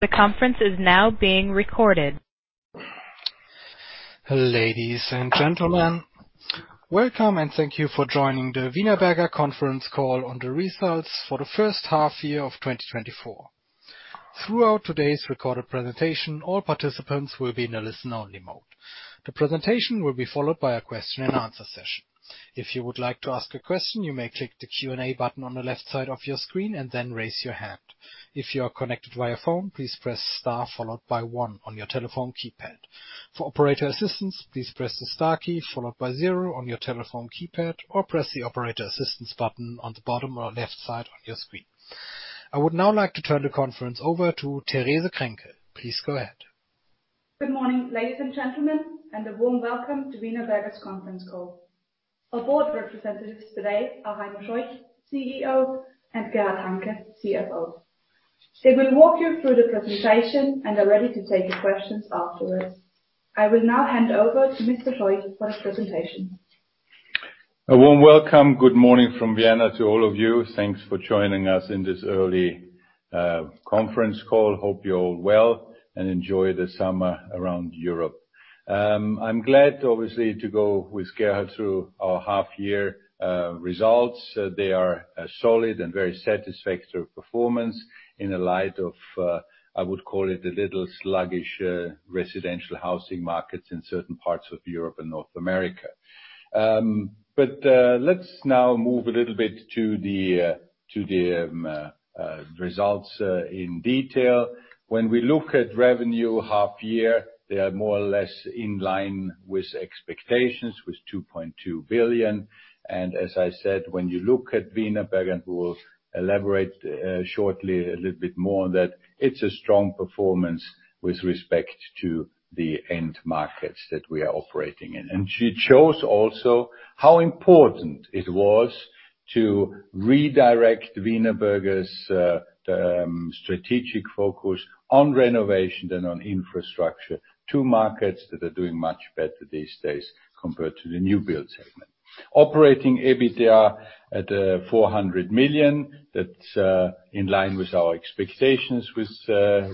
The conference is now being recorded. Ladies and gentlemen, welcome and thank you for joining the Wienerberger Conference Call on The Results for the First Half Year of 2024. Throughout today's recorded presentation, all participants will be in a listen-only mode. The presentation will be followed by a question and answer session. If you would like to ask a question, you may click the Q&A button on the left side of your screen, and then raise your hand. If you are connected via phone, please press star followed by one on your telephone keypad. For operator assistance, please press the star key followed by zero on your telephone keypad, or press the operator assistance button on the bottom or left side of your screen. I would now like to turn the conference over to Therese Krenkel. Please go ahead. Good morning, ladies and gentlemen, and a warm welcome to Wienerberger's conference call. Our board representatives today are Heimo Scheuch, CEO, and Gerhard Hanke, CFO. They will walk you through the presentation and are ready to take your questions afterwards. I will now hand over to Mr. Scheuch for his presentation. A warm welcome. Good morning from Vienna to all of you. Thanks for joining us in this early conference call. Hope you're all well and enjoy the summer around Europe. I'm glad, obviously, to go with Gerhard through our half year results. They are a solid and very satisfactory performance in the light of, I would call it, a little sluggish residential housing markets in certain parts of Europe and North America. But let's now move a little bit to the results in detail. When we look at revenue half year, they are more or less in line with expectations, with 2.2 billion. As I said, when you look at Wienerberger, and we will elaborate shortly a little bit more on that, it's a strong performance with respect to the end markets that we are operating in. It shows also how important it was to redirect Wienerberger's strategic focus on renovation and on infrastructure, two markets that are doing much better these days compared to the new build segment. Operating EBITDA at 400 million. That's in line with our expectations with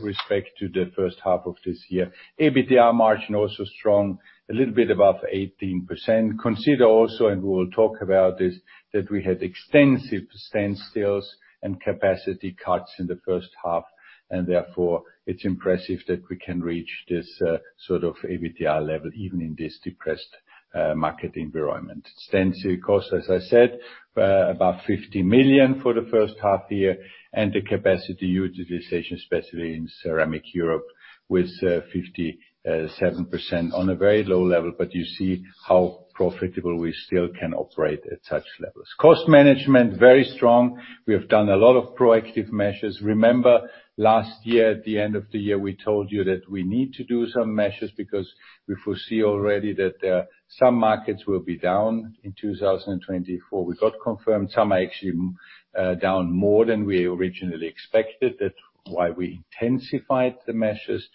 respect to the first half of this year. EBITDA margin also strong, a little bit above 18%. Consider also, and we will talk about this, that we had extensive standstills and capacity cuts in the first half, and therefore, it's impressive that we can reach this sort of EBITDA level, even in this depressed market environment. Standstill costs, as I said, about 50 million for the first half year, and the capacity utilization, especially in Ceramic Europe, with 57% on a very low level, but you see how profitable we still can operate at such levels. Cost management, very strong. We have done a lot of proactive measures. Remember, last year, at the end of the year, we told you that we need to do some measures because we foresee already that some markets will be down in 2024. We got confirmed. Some are actually down more than we originally expected. That's why we intensified the measures,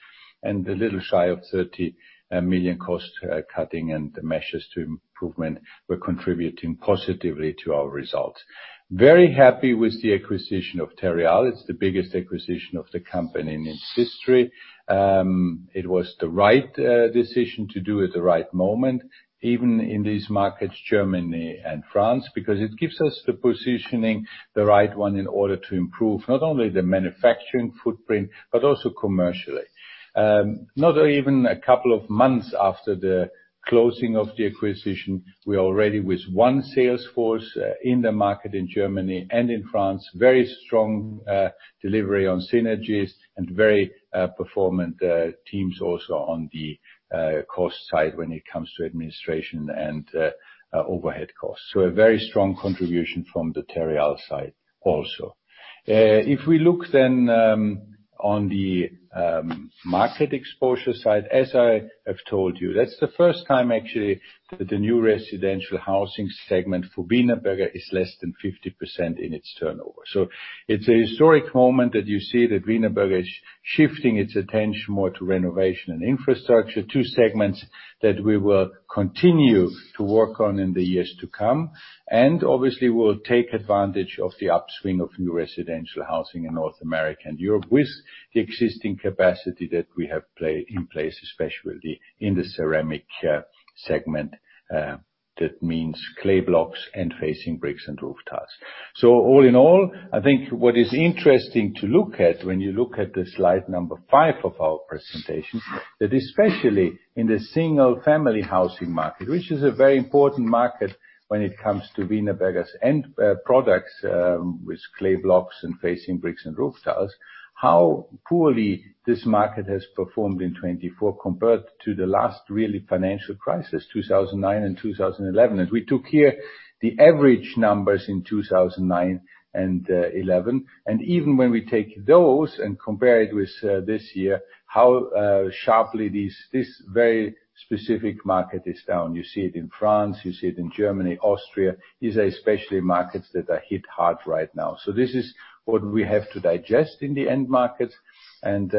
and a little shy of 30 million cost cutting and the measures to improvement were contributing positively to our results. Very happy with the acquisition of Terreal. It's the biggest acquisition of the company in its history. It was the right decision to do at the right moment, even in these markets, Germany and France, because it gives us the positioning, the right one, in order to improve not only the manufacturing footprint, but also commercially. Not even a couple of months after the closing of the acquisition, we are already with one sales force in the market in Germany and in France. Very strong delivery on synergies and very performant teams also on the cost side when it comes to administration and overhead costs. So a very strong contribution from the Terreal side also. If we look then on the market exposure side, as I have told you, that's the first time actually, that the new residential housing segment for Wienerberger is less than 50% in its turnover. So it's a historic moment that you see that Wienerberger is shifting its attention more to renovation and infrastructure, two segments that we will continue to work on in the years to come. And obviously, we'll take advantage of the upswing of new residential housing in North America and Europe with the existing capacity that we have in place, especially in the ceramic segment. That means clay blocks and facing bricks and roof tiles. So all in all, I think what is interesting to look at when you look at the slide number 5 of our presentation, that especially in the single family housing market, which is a very important market when it comes to Wienerberger's end products, with clay blocks and facing bricks and roof tiles, how poorly this market has performed in 2024 compared to the last really financial crisis, 2009 and 2011. And we took here the average numbers in 2009 and 2011, and even when we take those and compare it with this year, how sharply these, this very specific market is down. You see it in France, you see it in Germany, Austria. These are especially markets that are hit hard right now. So this is what we have to digest in the end markets, and,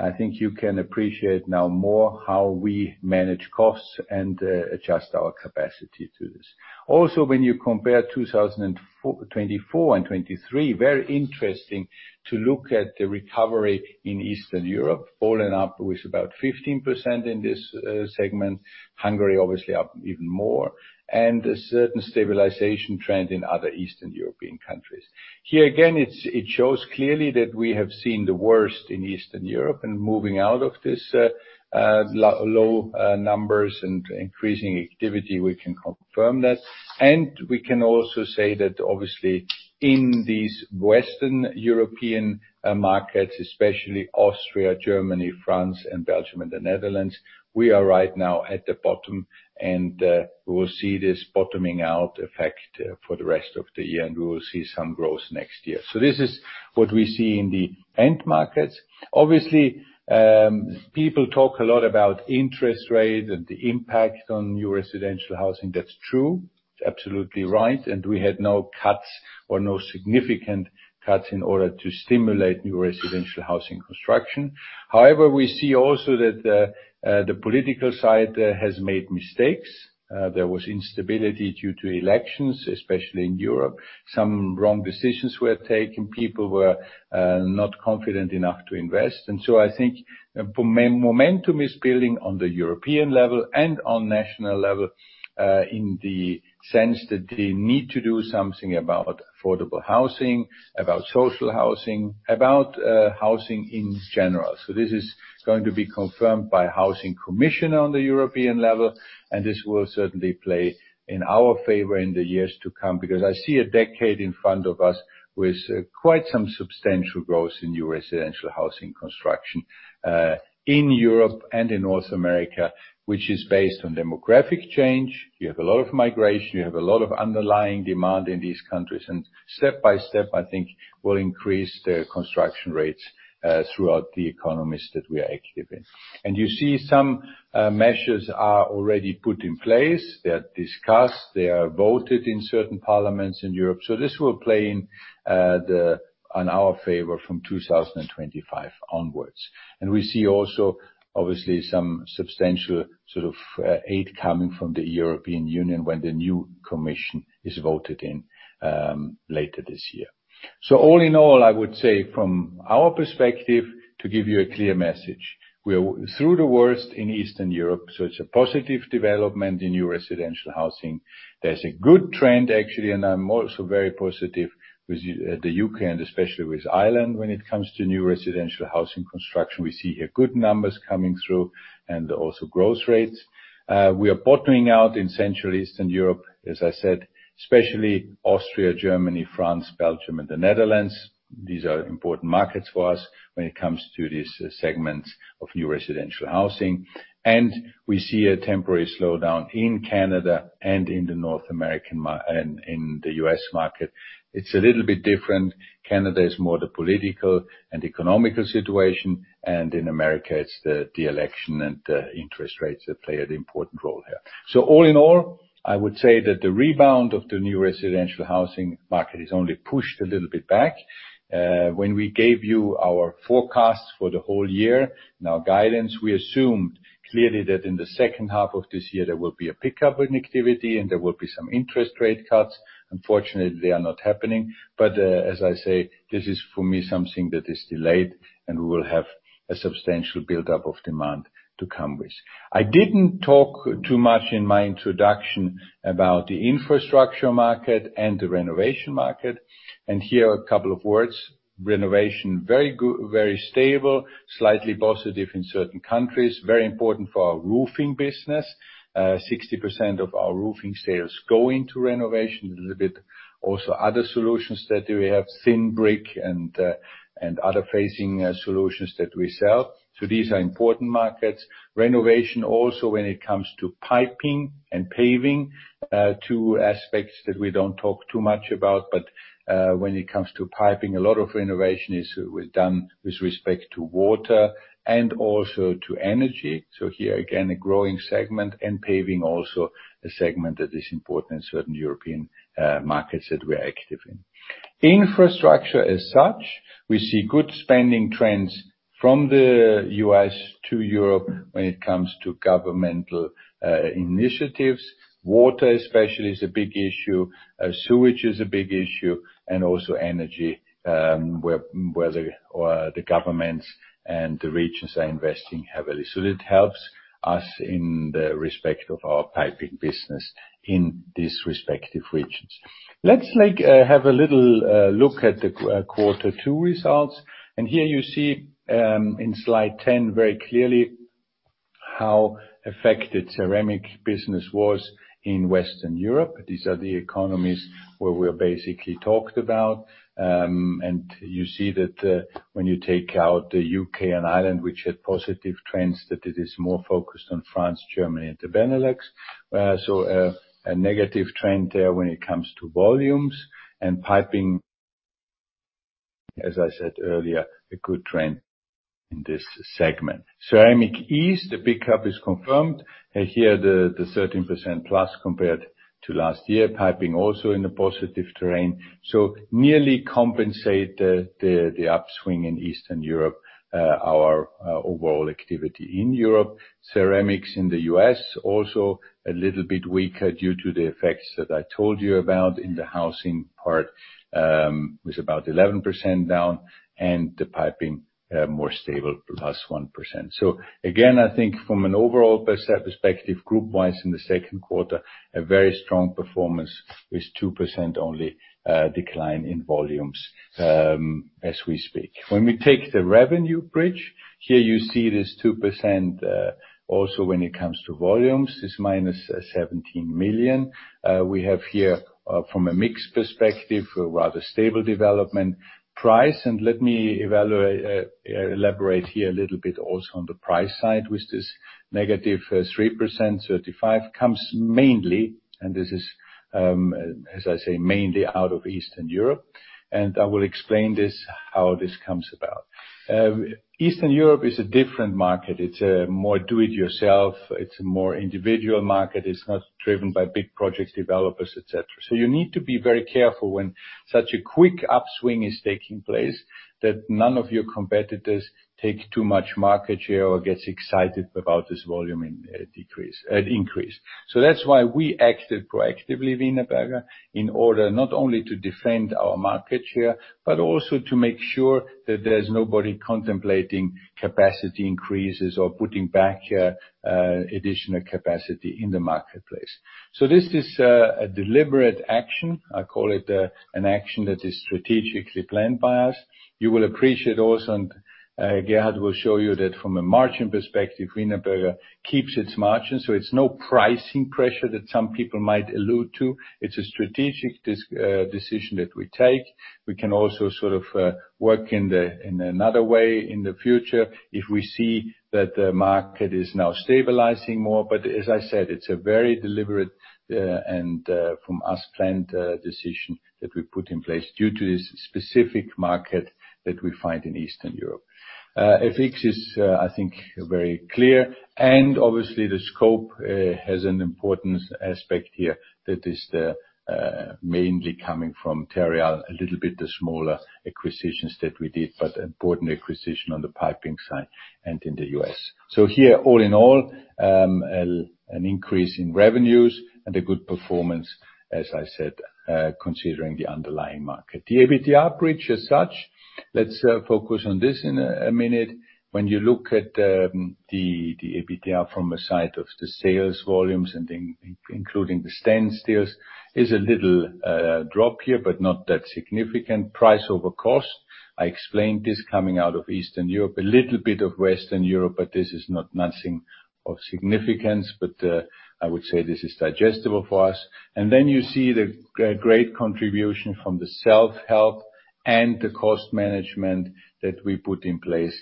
I think you can appreciate now more how we manage costs and, adjust our capacity to this. Also, when you compare 2024 and 2023, very interesting to look at the recovery in Eastern Europe, Poland up with about 15% in this, segment. Hungary, obviously, up even more, and a certain stabilization trend in other Eastern European countries. Here again, it shows clearly that we have seen the worst in Eastern Europe and moving out of this, low, numbers and increasing activity, we can confirm that. We can also say that obviously in these Western European markets, especially Austria, Germany, France, and Belgium, and the Netherlands, we are right now at the bottom, and we will see this bottoming out effect for the rest of the year, and we will see some growth next year. So this is what we see in the end markets. Obviously, people talk a lot about interest rates and the impact on new residential housing. That's true, absolutely right, and we had no cuts or no significant cuts in order to stimulate new residential housing construction. However, we see also that the political side has made mistakes. There was instability due to elections, especially in Europe. Some wrong decisions were taken. People were not confident enough to invest. So I think for me, momentum is building on the European level and on national level, in the sense that they need to do something about affordable housing, about social housing, about housing in general. This is going to be confirmed by Housing Commission on the European level, and this will certainly play in our favor in the years to come. Because I see a decade in front of us with quite some substantial growth in new residential housing construction in Europe and in North America, which is based on demographic change. You have a lot of migration, you have a lot of underlying demand in these countries, and step by step, I think we'll increase the construction rates throughout the economies that we are active in. You see some measures are already put in place. They are discussed, they are voted in certain parliaments in Europe. So this will play in the on our favor from 2025 onwards. And we see also, obviously, some substantial sort of aid coming from the European Union when the new commission is voted in later this year. So all in all, I would say from our perspective, to give you a clear message, we are through the worst in Eastern Europe, so it's a positive development in new residential housing. There's a good trend, actually, and I'm also very positive with the the UK and especially with Ireland when it comes to new residential housing construction. We see here good numbers coming through and also growth rates. We are bottoming out in Central Eastern Europe, as I said, especially Austria, Germany, France, Belgium, and the Netherlands. These are important markets for us when it comes to these segments of new residential housing. We see a temporary slowdown in Canada and in the North American market and in the US market. It's a little bit different. Canada is more the political and economic situation, and in America, it's the election and interest rates that play an important role here. So all in all, I would say that the rebound of the new residential housing market is only pushed a little bit back. When we gave you our forecast for the whole year, in our guidance, we assumed clearly that in the second half of this year, there will be a pickup in activity and there will be some interest rate cuts. Unfortunately, they are not happening, but as I say, this is, for me, something that is delayed, and we will have a substantial buildup of demand to come with. I didn't talk too much in my introduction about the infrastructure market and the renovation market, and here are a couple of words. Renovation, very good, very stable, slightly positive in certain countries. Very important for our roofing business. 60% of our roofing sales go into renovation, a little bit. Also, other solutions that we have, thin brick and other facing solutions that we sell. So these are important markets. Renovation also when it comes to piping and paving, two aspects that we don't talk too much about, but when it comes to piping, a lot of renovation is, was done with respect to water and also to energy. So here, again, a growing segment, and paving also a segment that is important in certain European markets that we are active in. Infrastructure as such, we see good spending trends from the U.S. to Europe when it comes to governmental initiatives. Water, especially, is a big issue, sewage is a big issue, and also energy, where, whether, or the governments and the regions are investing heavily. So it helps us in the respect of our piping business in these respective regions. Let's have a little look at Q2 results. And here you see, in slide 10, very clearly how affected ceramic business was in Western Europe. These are the economies where we are basically talked about. And you see that, when you take out the UK and Ireland, which had positive trends, that it is more focused on France, Germany, and the Benelux. So, a negative trend there when it comes to volumes. And piping, as I said earlier, a good trend in this segment. Ceramic East, the pickup is confirmed. Here, the 13% plus compared to last year. Piping also in a positive territory. So nearly compensate the upswing in Eastern Europe, our overall activity in Europe. Ceramics in the US, also a little bit weaker due to the effects that I told you about in the housing part, with about 11% down, and the piping, more stable, plus 1%. So again, I think from an overall perspective, group-wise in Q2, a very strong performance with 2% only decline in volumes, as we speak. When we take the revenue bridge, here you see this 2% also when it comes to volumes, is minus 17 million. We have here from a mix perspective, a rather stable development price. And let me elaborate here a little bit also on the price side, which is -3%. 35 comes mainly, and this is, as I say, mainly out of Eastern Europe, and I will explain this, how this comes about. Eastern Europe is a different market. It's a more do-it-yourself, it's a more individual market. It's not driven by big project developers, et cetera. So you need to be very careful when such a quick upswing is taking place, that none of your competitors take too much market share or gets excited about this volume increase. So that's why we acted proactively, Wienerberger, in order not only to defend our market share, but also to make sure that there's nobody contemplating capacity increases or putting back additional capacity in the marketplace. So this is a deliberate action. I call it an action that is strategically planned by us. You will appreciate also, and Gerhard will show you, that from a margin perspective, Wienerberger keeps its margins. So it's no pricing pressure that some people might allude to, it's a strategic decision that we take. We can also sort of work in another way in the future if we see that the market is now stabilizing more. But as I said, it's a very deliberate and from us planned decision that we put in place due to this specific market that we find in Eastern Europe. FX is, I think, very clear, and obviously, the scope has an important aspect here. That is the mainly coming from Terreal, a little bit the smaller acquisitions that we did, but important acquisition on the piping side and in the U.S. So here, all in all, an increase in revenues and a good performance, as I said, considering the underlying market. The EBITDA bridge as such, let's focus on this in a minute. When you look at the EBITDA from a side of the sales volumes and including the standstill costs, is a little drop here, but not that significant. Price over cost, I explained this coming out of Eastern Europe, a little bit of Western Europe, but this is not nothing of significance, but I would say this is digestible for us. Then you see the great contribution from the self-help and the cost management that we put in place,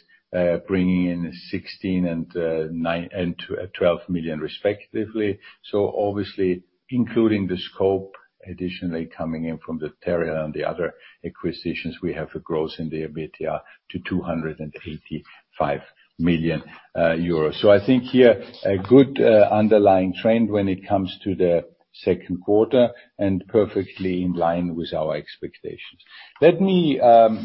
bringing in 16 and 12 million, respectively. So obviously, including the scope, additionally coming in from the Terreal and the other acquisitions, we have a growth in the EBITDA to 285 million euros. So I think here a good underlying trend when it comes to Q2, and perfectly in line with our expectations. Let me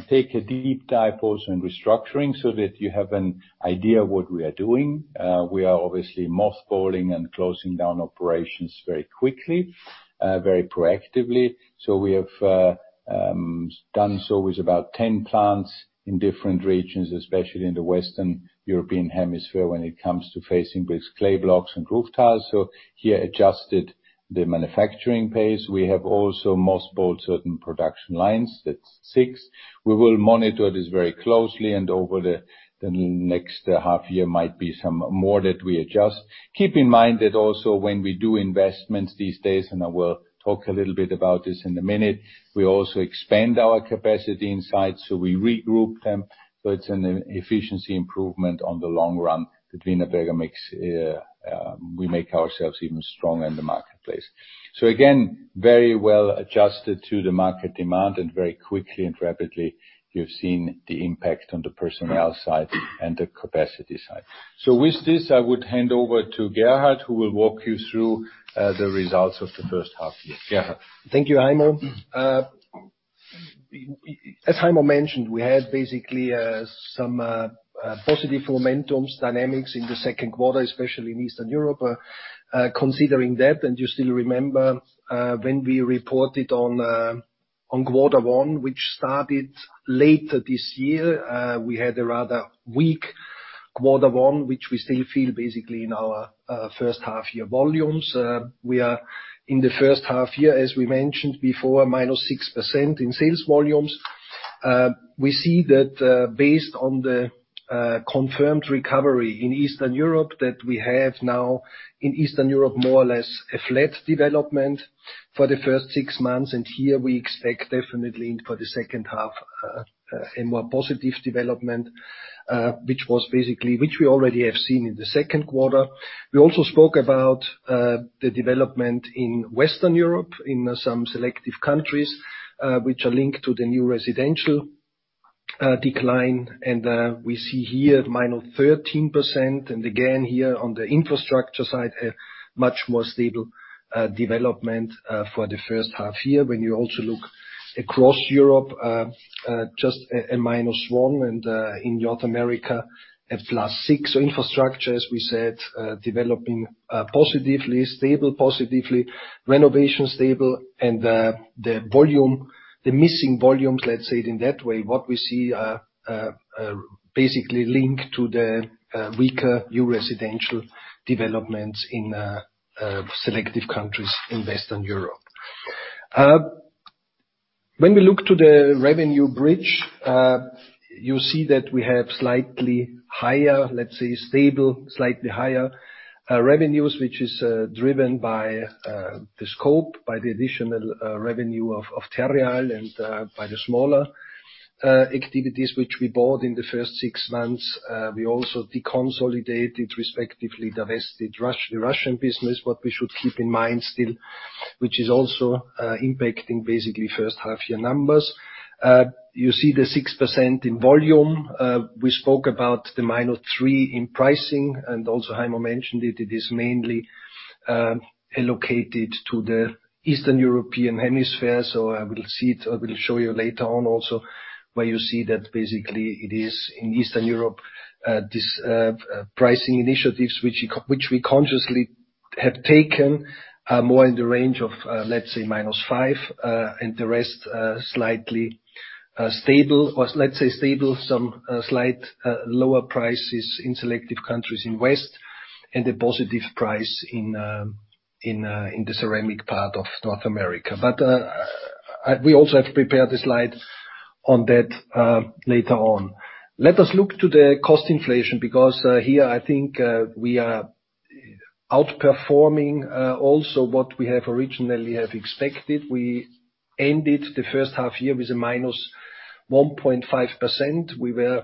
take a deep dive also in restructuring, so that you have an idea what we are doing. We are obviously mothballing and closing down operations very quickly, very proactively. So we have done so with about 10 plants in different regions, especially in Western Europe, when it comes to facing bricks, clay blocks, and roof tiles. So here, adjusted the manufacturing pace. We have also mothballed certain production lines, that's six. We will monitor this very closely, and over the next half year might be some more that we adjust. Keep in mind that also, when we do investments these days, and I will talk a little bit about this in a minute, we also expand our capacity inside, so we regroup them. So it's an efficiency improvement on the long run that Wienerberger makes. We make ourselves even stronger in the marketplace. So again, very well adjusted to the market demand, and very quickly and rapidly, you've seen the impact on the personnel side and the capacity side. So with this, I would hand over to Gerhard, who will walk you through the results of the first half year. Gerhard? Thank you, Heimo. As Heimo mentioned, we had basically some positive momentums, dynamics in Q2, especially in Eastern Europe. Considering that, and you still remember, when we reported on Q1, which started later this year, we had a rather weak Q1, which we still feel basically in our first half year volumes. We are in the first half year, as we mentioned before, -6% in sales volumes. We see that, based on the confirmed recovery in Eastern Europe, that we have now in Eastern Europe, more or less a flat development for the first six months. Here, we expect definitely for the second half a more positive development, which was basically which we already have seen in Q2. We also spoke about the development in Western Europe, in some selective countries, which are linked to the new residential decline. And we see here -13%, and again, here on the infrastructure side, a much more stable development for the first half year. When you also look across Europe, just a -1%, and in North America, a +6%. So infrastructure, as we said, developing positively, stable positively, renovation stable, and the volume, the missing volumes, let's say it in that way, what we see are basically linked to the weaker new residential developments in selective countries in Western Europe. When we look to the revenue bridge, you see that we have slightly higher, let's say, stable, slightly higher, revenues, which is driven by the scope, by the additional revenue of Terreal and by the smaller activities which we bought in the first six months. We also deconsolidated, respectively, divested the Russian business. What we should keep in mind still, which is also impacting basically first half year numbers. You see the 6% in volume. We spoke about the -3% in pricing, and also Heimo mentioned it. It is mainly allocated to the Eastern European hemisphere. So I will see it, I will show you later on also, where you see that basically it is in Eastern Europe, this pricing initiatives, which we, which we consciously have taken are more in the range of, let's say, -5, and the rest, slightly, stable, or let's say stable, some slight lower prices in selective countries in West, and a positive price in, in, in the ceramic part of North America. But, we also have prepared a slide on that, later on. Let us look to the cost inflation, because, here, I think, we are outperforming, also what we have originally have expected. We ended the first half year with a -1.5%. We were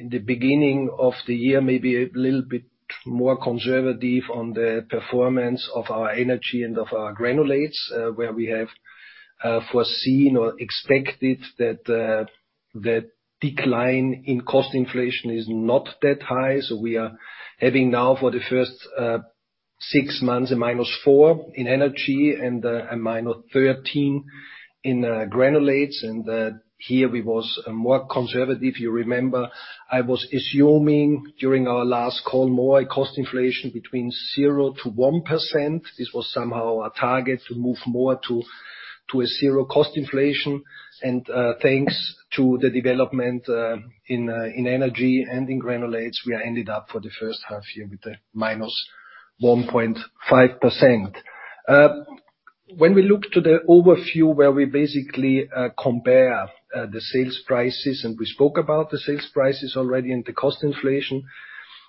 in the beginning of the year, maybe a little bit more conservative on the performance of our energy and of our granulates, where we have foreseen or expected that the decline in cost inflation is not that high. So we are having now for the first 6 months, a -4% in energy and a -13% in granulates, and here we was more conservative. You remember, I was assuming during our last call, more cost inflation between 0% to 1%. This was somehow a target to move more to, to a zero cost inflation, and thanks to the development in in energy and in granulates, we are ended up for the first half year with a -1.5%. When we look to the overview, where we basically compare the sales prices, and we spoke about the sales prices already and the cost inflation,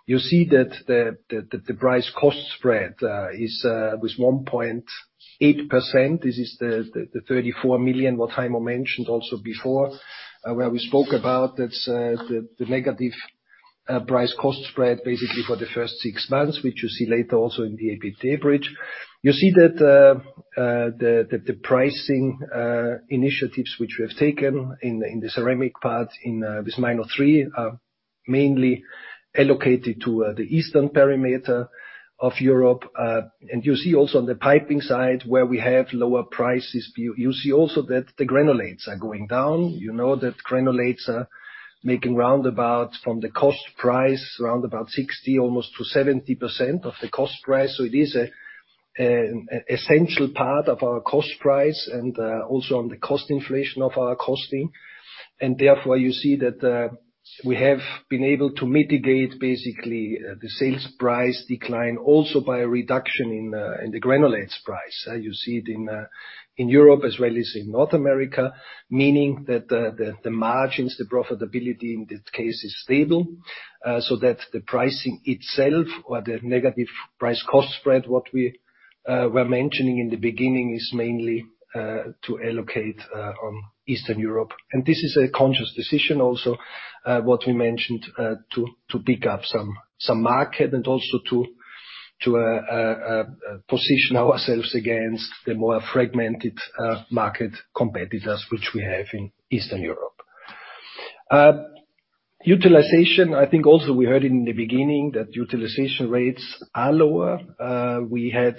you see that the price-cost spread was 1.8%. This is the 34 million, what Heimo mentioned also before, where we spoke about that the negative price-cost spread, basically for the first six months, which you see later also in the EBITDA bridge. You see that the pricing initiatives which we have taken in the ceramic part in with -3% are mainly allocated to the Eastern Europe. And you see also on the piping side, where we have lower prices, you see also that the granulates are going down. You know that granulates are making round about, from the cost price, around about 60% almost to 70% of the cost price. So it is a essential part of our cost price and also on the cost inflation of our costing. And therefore, you see that we have been able to mitigate basically the sales price decline, also by a reduction in in the granulates price. You see it in Europe as well as in North America, meaning that the margins, the profitability in this case, is stable so that the pricing itself or the negative price-cost spread, what we were mentioning in the beginning, is mainly to allocate on Eastern Europe. And this is a conscious decision also, what we mentioned, to pick up some market and also to position ourselves against the more fragmented market competitors, which we have in Eastern Europe. Utilization, I think also we heard in the beginning, that utilization rates are lower. We had,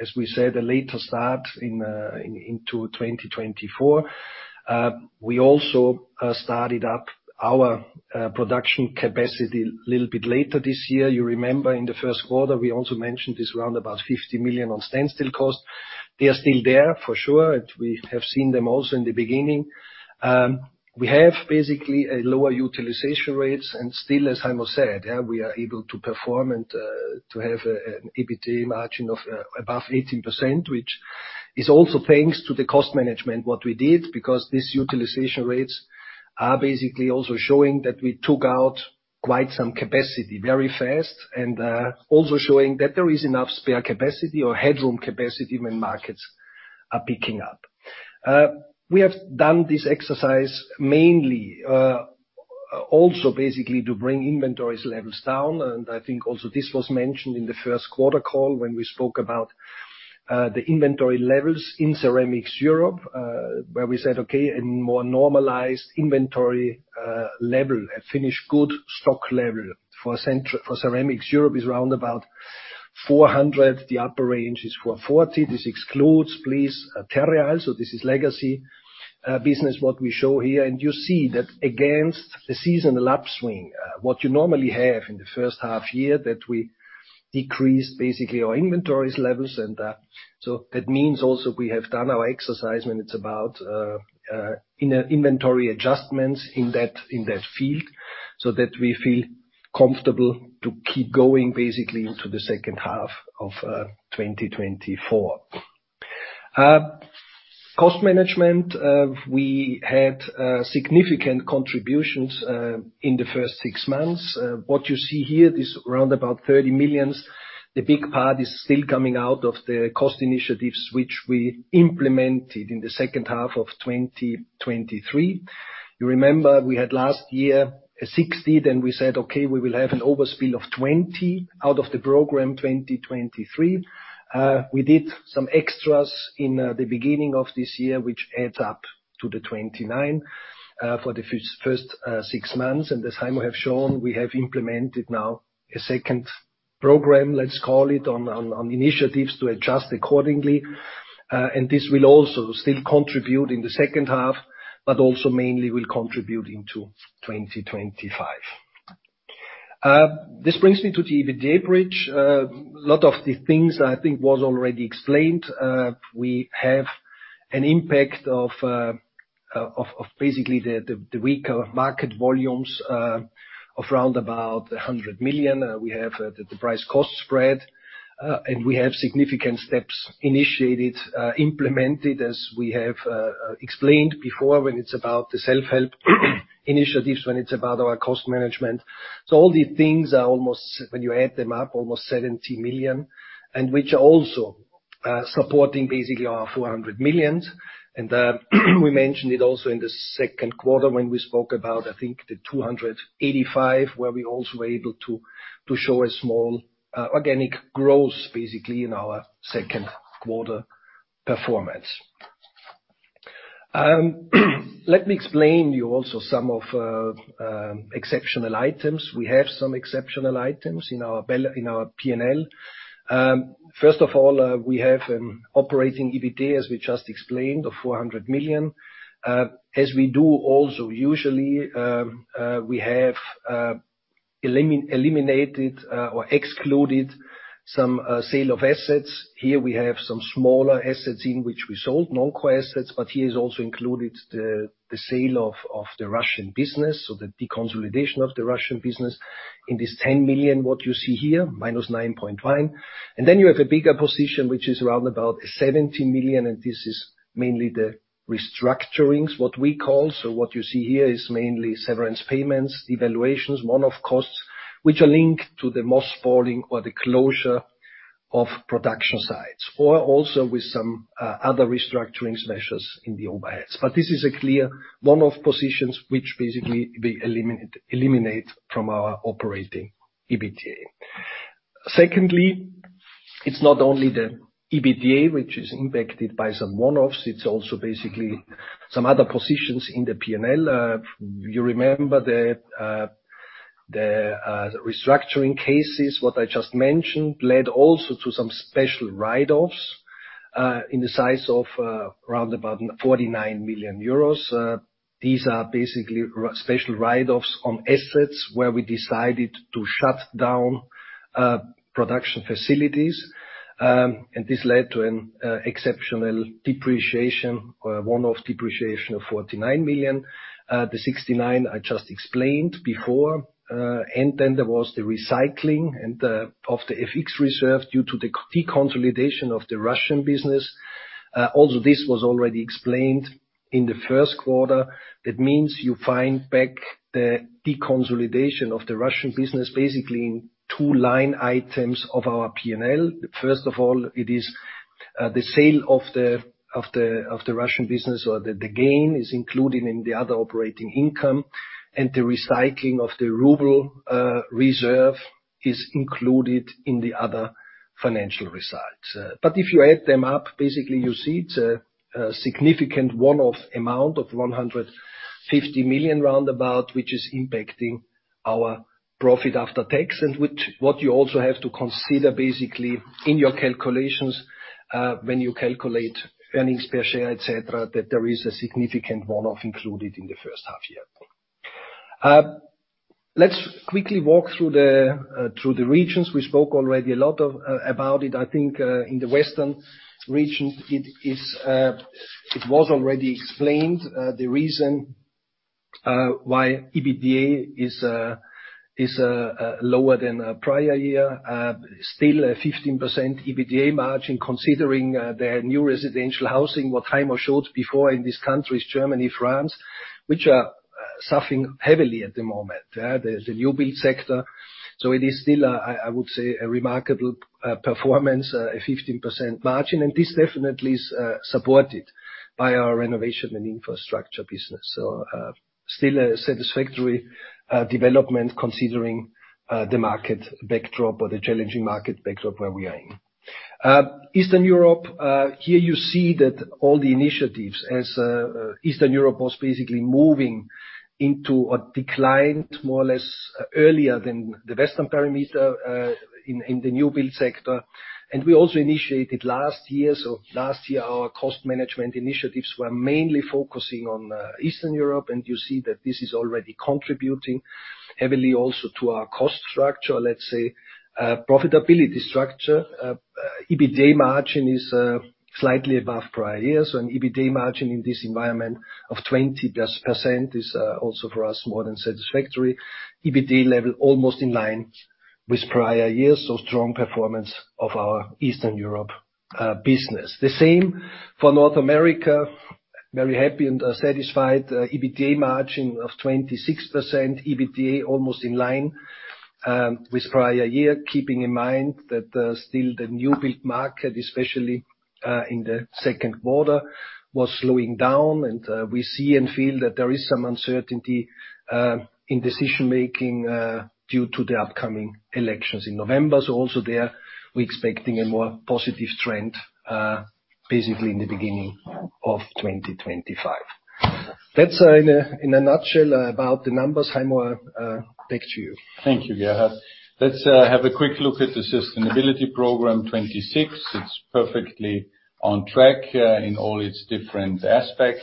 as we said, a later start into 2024. We also started up our production capacity a little bit later this year. You remember, in Q1, we also mentioned this round, about 50 million on standstill costs. They are still there for sure, and we have seen them also in the beginning. We have basically lower utilization rates and still, as Heimo said, we are able to perform and to have an EBITDA margin of above 18%, which is also thanks to the cost management what we did, because this utilization rates are basically also showing that we took out quite some capacity very fast, and also showing that there is enough spare capacity or headroom capacity when markets are picking up. We have done this exercise mainly also basically to bring inventories levels down, and I think also this was mentioned in Q1 call when we spoke about the inventory levels in Ceramics Europe, where we said, okay, a more normalized inventory level, a finished good stock level for Ceramics Europe is around about 400, the upper range is 440. This excludes, please, Terreal, so this is legacy business, what we show here. And you see that against the seasonal upswing, what you normally have in the first half year, that we decrease basically our inventories levels. And, so that means also we have done our exercise when it's about, inventory adjustments in that, in that field, so that we feel comfortable to keep going basically into the second half of 2024. Cost management, we had significant contributions in the first six months. What you see here, this around about 30 million, the big part is still coming out of the cost initiatives, which we implemented in the second half of 2023. You remember we had last year 60, then we said, "Okay, we will have an overspend of 20 million out of the Program 2023." We did some extras in the beginning of this year, which adds up to the 29 for the first six months. And as Heimo have shown, we have implemented now a second program, let's call it, on initiatives to adjust accordingly. And this will also still contribute in the second half, but also mainly will contribute into 2025. This brings me to the EBITDA bridge. A lot of the things I think was already explained. We have an impact of basically the weaker market volumes of around about 100 million. We have the price-cost spread, and we have significant steps initiated, implemented, as we have explained before, when it's about the self-help initiatives, when it's about our cost management. So all these things are almost, when you add them up, almost 70 million, and which are also supporting basically our 400 million. And we mentioned it also in Q2 when we spoke about, I think, the 285, where we also were able to show a small organic growth, basically, in our Q2 performance. Let me explain you also some of exceptional items. We have some exceptional items in our P&L. First of all, we have operating EBITDA, as we just explained, of 400 million. As we do also, usually, we have eliminated or excluded some sale of assets. Here we have some smaller assets which we sold, non-core assets, but here is also included the sale of the Russian business, so the deconsolidation of the Russian business. In this 10 million, what you see here, -9.1 million. And then you have a bigger position, which is around about 70 million, and this is mainly the restructuring, what we call. So what you see here is mainly severance payments, impairments, one-off costs, which are linked to the mothballing or the closure of production sites, or also with some other restructuring measures in the overheads. But this is a clear one-off positions which basically we eliminate from our operating EBITDA. Secondly, it's not only the EBITDA which is impacted by some one-offs, it's also basically some other positions in the P&L. You remember the restructuring cases, what I just mentioned, led also to some special write-offs in the size of around about 49 million euros. These are basically special write-offs on assets where we decided to shut down production facilities. And this led to an exceptional depreciation, or a one-off depreciation of 49 million, the 69 I just explained before. And then there was the recycling of the FX reserve due to the deconsolidation of the Russian business. Also, this was already explained in Q1. It means you find back the deconsolidation of the Russian business, basically in two line items of our P&L. First of all, it is the sale of the Russian business, or the gain is included in the other operating income, and the recycling of the ruble reserve is included in the other financial results. But if you add them up, basically, you see it's a significant one-off amount of 150 million roundabout, which is impacting our profit after tax, and which—what you also have to consider, basically, in your calculations, when you calculate earnings per share, et cetera, that there is a significant one-off included in the first half year. Let's quickly walk through the regions. We spoke already a lot of about it. I think in the Western region, it is, it was already explained, the reason why EBITDA is, is lower than prior year. Still a 15% EBITDA margin, considering the new residential housing, what Heimo showed before in these countries, Germany, France, which are suffering heavily at the moment, the, the new build sector. So it is still a, I, I would say, a remarkable performance, a 15% margin, and this definitely is supported by our renovation and infrastructure business. So still a satisfactory development considering the market backdrop or the challenging market backdrop where we are in. Eastern Europe, here you see that all the initiatives as, Eastern Europe was basically moving into a decline, more or less, earlier than the Western Europe, in the new build sector. We also initiated last year, so last year, our cost management initiatives were mainly focusing on Eastern Europe, and you see that this is already contributing heavily also to our cost structure, let's say, profitability structure. EBITDA margin is slightly above prior years, and EBITDA margin in this environment of 20%+ is also for us, more than satisfactory. EBITDA level almost in line with prior years, so strong performance of our Eastern Europe business. The same for North America. Very happy and satisfied. EBITDA margin of 26%, EBITDA almost in line.... With prior year, keeping in mind that still the new build market, especially in Q2, was slowing down. We see and feel that there is some uncertainty in decision making due to the upcoming elections in November. So also there, we're expecting a more positive trend, basically, in the beginning of 2025. That's in a nutshell about the numbers. Heimo, back to you. Thank you, Gerhard. Let's have a quick look at the Sustainability Program 2026. It's perfectly on track in all its different aspects.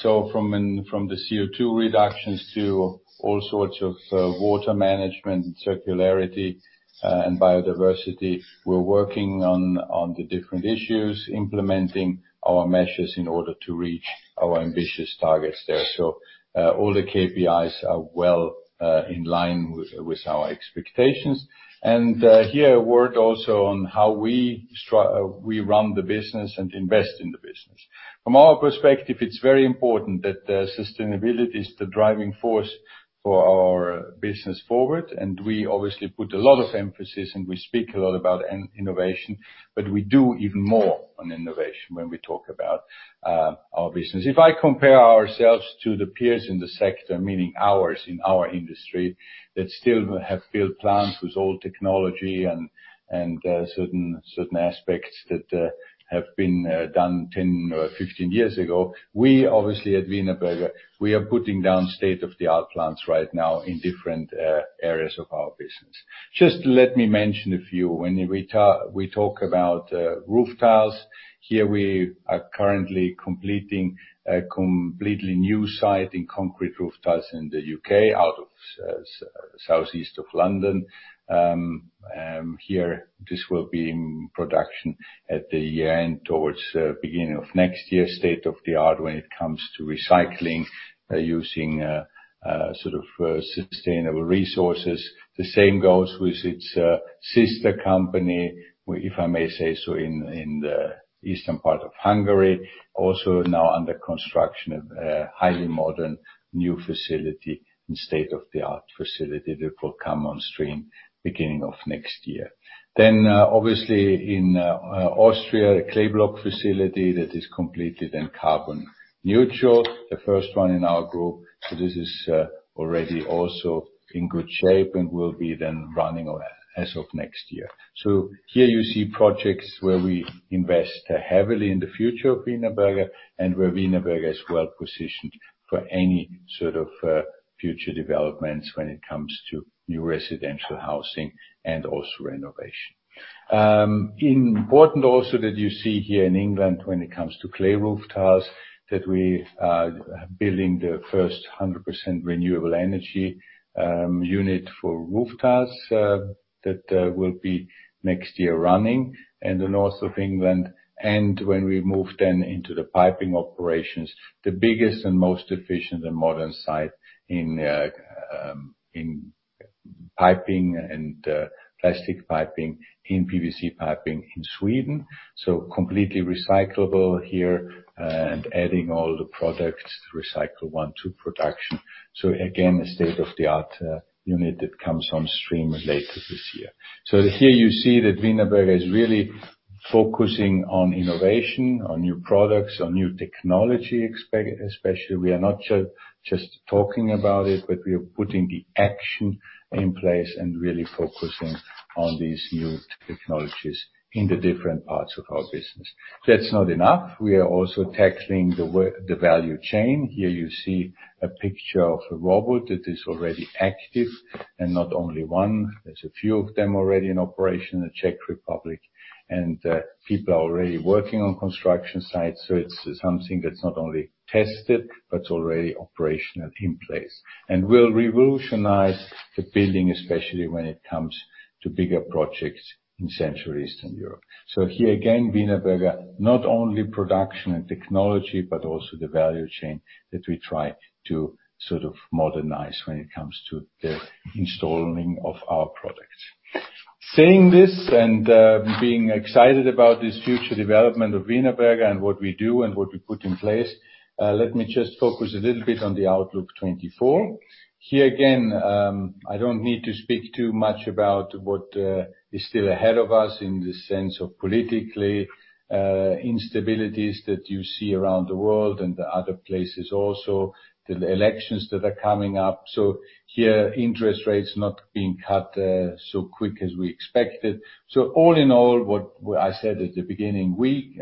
So from the CO2 reductions to all sorts of water management and circularity and biodiversity, we're working on the different issues, implementing our measures in order to reach our ambitious targets there. So all the KPIs are well in line with our expectations. And here, a word also on how we run the business and invest in the business. From our perspective, it's very important that sustainability is the driving force for our business forward, and we obviously put a lot of emphasis, and we speak a lot about innovation, but we do even more on innovation when we talk about our business. If I compare ourselves to the peers in the sector, meaning ours, in our industry, that still have built plants with old technology and certain aspects that have been done 10 or 15 years ago, we obviously, at Wienerberger, we are putting down state-of-the-art plants right now in different areas of our business. Just let me mention a few. When we talk about roof tiles, here we are currently completing a completely new site in concrete roof tiles in the UK, out of southeast of London. Here, this will be in production at the end, towards beginning of next year. State-of-the-art when it comes to recycling, using sort of sustainable resources. The same goes with its, sister company, if I may say so, in, in the eastern part of Hungary, also now under construction, a, highly modern new facility and state-of-the-art facility that will come on stream beginning of next year. Then, obviously, in, Austria, a clay block facility that is completely then carbon neutral, the first one in our group. So this is, already also in good shape and will be then running as of next year. So here you see projects where we invest heavily in the future of Wienerberger, and where Wienerberger is well positioned for any sort of, future developments when it comes to new residential housing and also renovation. Important also that you see here in England, when it comes to clay roof tiles, that we are building the first 100% renewable energy unit for roof tiles, that will be next year running in the north of England. And when we move then into the piping operations, the biggest and most efficient and modern site in piping and plastic piping, in PVC piping in Sweden. So completely recyclable here, and adding all the products, recycle ones to production. So again, a state-of-the-art unit that comes on stream later this year. So here you see that Wienerberger is really focusing on innovation, on new products, on new technology especially. We are not just talking about it, but we are putting the action in place and really focusing on these new technologies in the different parts of our business. That's not enough. We are also tackling the value chain. Here you see a picture of a robot that is already active, and not only one. There's a few of them already in operation in the Czech Republic, and people are already working on construction sites, so it's something that's not only tested, but already operational in place. And will revolutionize the building, especially when it comes to bigger projects in Central Eastern Europe. So here again, Wienerberger, not only production and technology, but also the value chain that we try to sort of modernize when it comes to the installing of our products. Saying this and being excited about this future development of Wienerberger and what we do and what we put in place, let me just focus a little bit on the outlook 2024. Here again, I don't need to speak too much about what is still ahead of us in the sense of political instabilities that you see around the world and the other places also, the elections that are coming up. So here, interest rates not being cut so quick as we expected. So all in all, what I said at the beginning, we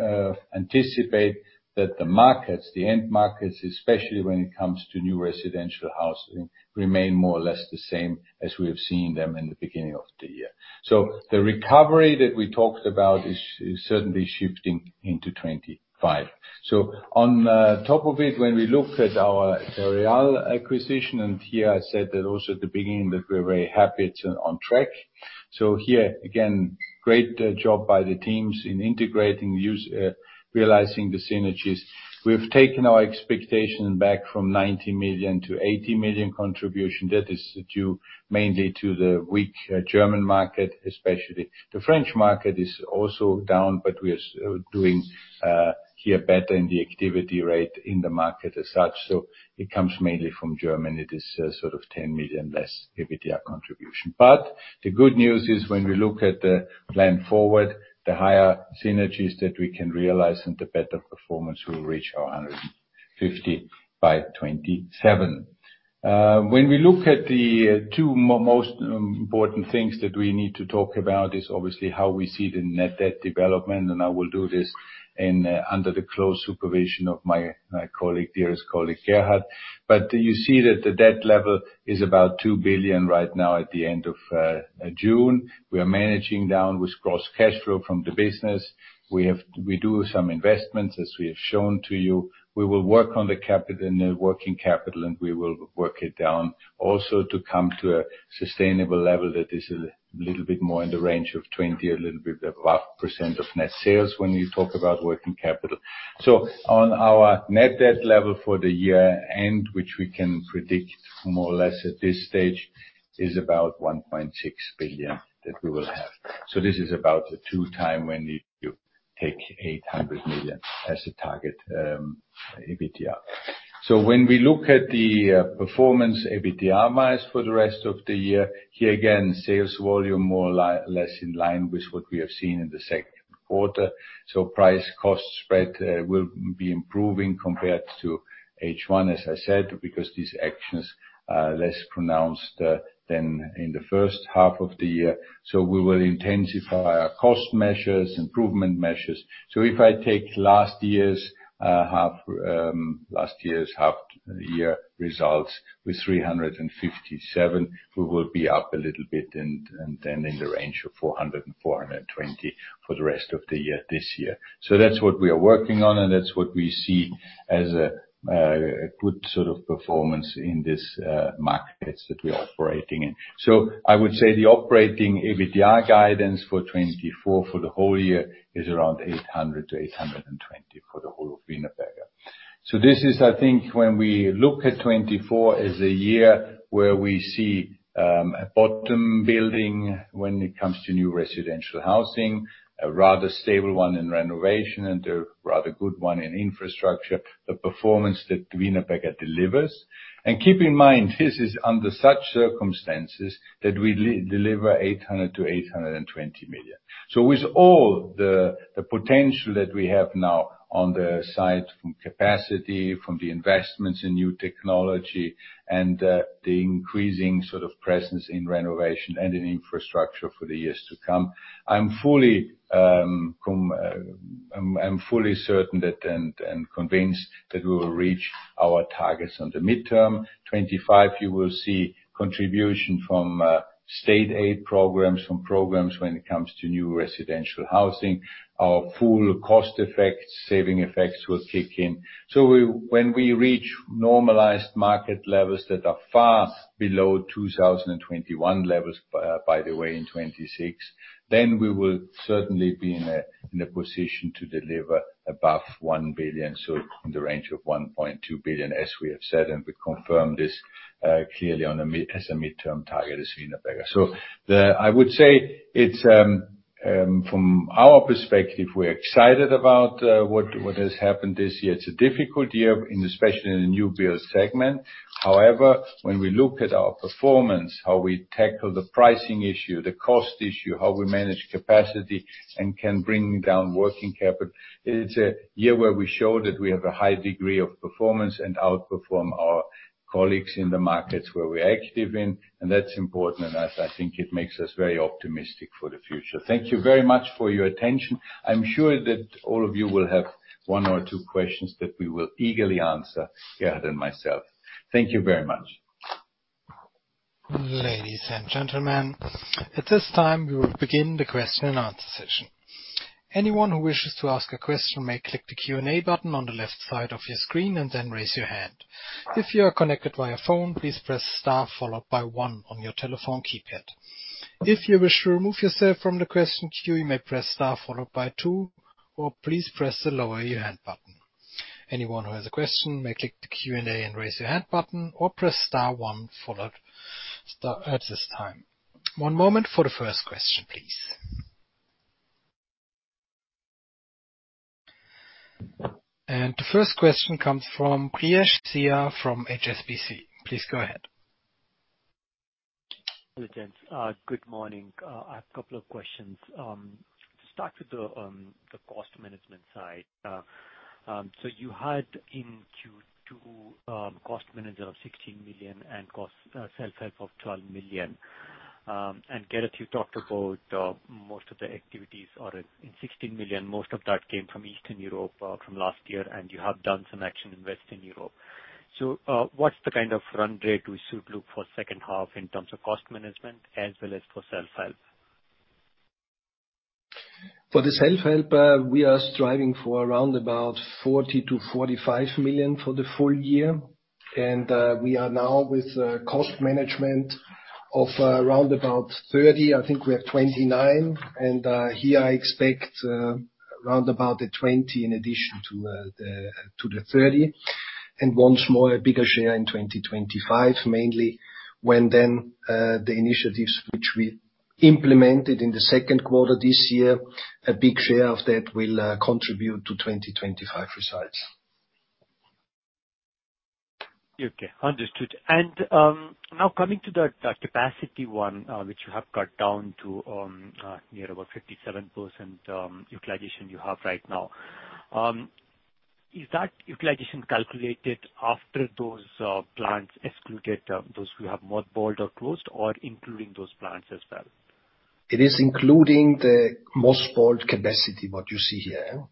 anticipate that the markets, the end markets, especially when it comes to new residential housing, remain more or less the same as we have seen them in the beginning of the year. So the recovery that we talked about is certainly shifting into 2025. So on top of it, when we look at our the Terreal acquisition, and here I said that also at the beginning, that we're very happy it's on track. So here, again, great job by the teams in integrating, use realizing the synergies. We've taken our expectation back from 90 to 80 million contribution. That is due mainly to the weak German market, especially. The French market is also down, but we are doing here better in the activity rate in the market as such. So it comes mainly from Germany. It is sort of 10 million less EBITDA contribution. But the good news is when we look at the plan forward, the higher synergies that we can realize and the better performance will reach our 150 by 2027. When we look at the two most important things that we need to talk about is obviously how we see the net debt development, and I will do this under the close supervision of my dearest colleague, Gerhard. But you see that the debt level is about 2 billion right now at the end of June. We are managing down with gross cash flow from the business. We have—We do some investments, as we have shown to you. We will work on the capital, net working capital, and we will work it down also to come to a sustainable level that is a little bit more in the range of 20%, a little bit above, of net sales when you talk about working capital. On our net debt level for the year-end, which we can predict more or less at this stage, is about 1.6 billion that we will have. This is about the 2x when you take 800 million as a target EBITDA. When we look at the performance EBITDA-wise for the rest of the year, here again, sales volume more or less in line with what we have seen in Q2. Price-cost spread will be improving compared to H1, as I said, because these actions are less pronounced than in the first half of the year. We will intensify our cost measures, improvement measures. So if I take last year's half year results with 357 million, we will be up a little bit and then in the range of 400 million and 420 million for the rest of the year this year. So that's what we are working on, and that's what we see as a good sort of performance in this markets that we are operating in. So I would say the operating EBITDA guidance for 2024 for the whole year is around 800 million to 820 million for the whole of Wienerberger. So this is, I think, when we look at 2024 as a year where we see a bottoming when it comes to new residential housing, a rather stable one in renovation and a rather good one in infrastructure, the performance that Wienerberger delivers. Keep in mind, this is under such circumstances that we deliver 800 to 820 million. So with all the potential that we have now on the side, from capacity, from the investments in new technology, and the increasing sort of presence in renovation and in infrastructure for the years to come, I'm fully certain that, and convinced that we will reach our targets on the midterm. 2025, you will see contribution from state aid programs, from programs when it comes to new residential housing. Our full cost effects, saving effects will kick in. When we reach normalized market levels that are far below 2021 levels, by the way, in 2026, then we will certainly be in a position to deliver above 1 billion, so in the range of 1.2 billion, as we have said, and we confirm this clearly on a midterm target as Wienerberger. So the... I would say it's from our perspective, we're excited about what has happened this year. It's a difficult year, and especially in the new build segment. However, when we look at our performance, how we tackle the pricing issue, the cost issue, how we manage capacity and can bring down working capital, it's a year where we show that we have a high degree of performance and outperform our colleagues in the markets where we are active in, and that's important, and I, I think it makes us very optimistic for the future. Thank you very much for your attention. I'm sure that all of you will have one or two questions that we will eagerly answer, Gerhard and myself. Thank you very much. Ladies and gentlemen, at this time, we will begin the question and answer session. Anyone who wishes to ask a question may click the Q&A button on the left side of your screen and then raise your hand. If you are connected via phone, please press star followed by one on your telephone keypad. If you wish to remove yourself from the question queue, you may press star followed by two, or please press the Lower Your Hand button. Anyone who has a question may click the Q&A and Raise Your Hand button or press star one followed star at this time. One moment for the first question, please. The first question comes from Brijesh Siya from HSBC. Please go ahead. Good, gents. Good morning. I have a couple of questions. To start with the cost management side. So you had in Q2 cost management of 16 million and cost self-help of 12 million. And Gerhard, you talked about most of the activities are in 16 million. Most of that came from Eastern Europe from last year, and you have done some action in Western Europe. So what's the kind of run rate we should look for second half in terms of cost management as well as for self-help? ...For the self-help, we are striving for around about 40 to 45 million for the full year, and, we are now with, cost management of around about 30 million. I think we have 29 million, and, here I expect, around about the 20 million in addition to, the, to the 30 million, and once more, a bigger share in 2025, mainly when then, the initiatives which we implemented in Q2 this year, a big share of that will, contribute to 2025 results. Okay, understood. Now coming to the capacity one, which you have cut down to near about 57% utilization you have right now. Is that utilization calculated after those plants excluded, those who have mothballed or closed, or including those plants as well? It is including the mothballed capacity, what you see here.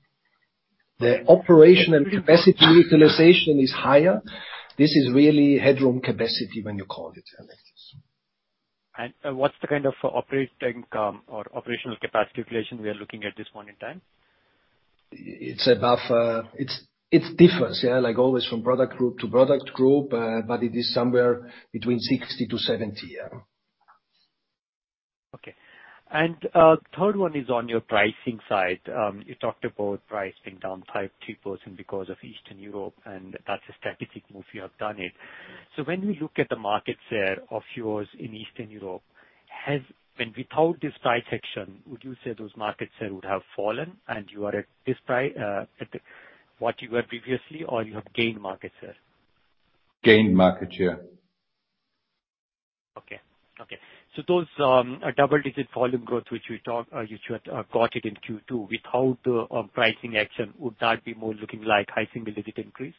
The operation and capacity utilization is higher. This is really headroom capacity, when you call it, excess. What's the kind of operating or operational capacity utilization we are looking at this point in time? It's about. It differs, yeah, like always, from product group to product group, but it is somewhere between 60-70, yeah. Okay. And third one is on your pricing side. You talked about pricing down 5.2% because of Eastern Europe, and that's a strategic move. You have done it. So when we look at the market share of yours in Eastern Europe, when without this price action, would you say those market share would have fallen and you are at this price, at what you were previously, or you have gained market share? Gained market share. Okay, okay. So those double-digit volume growth, which you had got it in Q2, without the pricing action, would that be more looking like high single digit increase?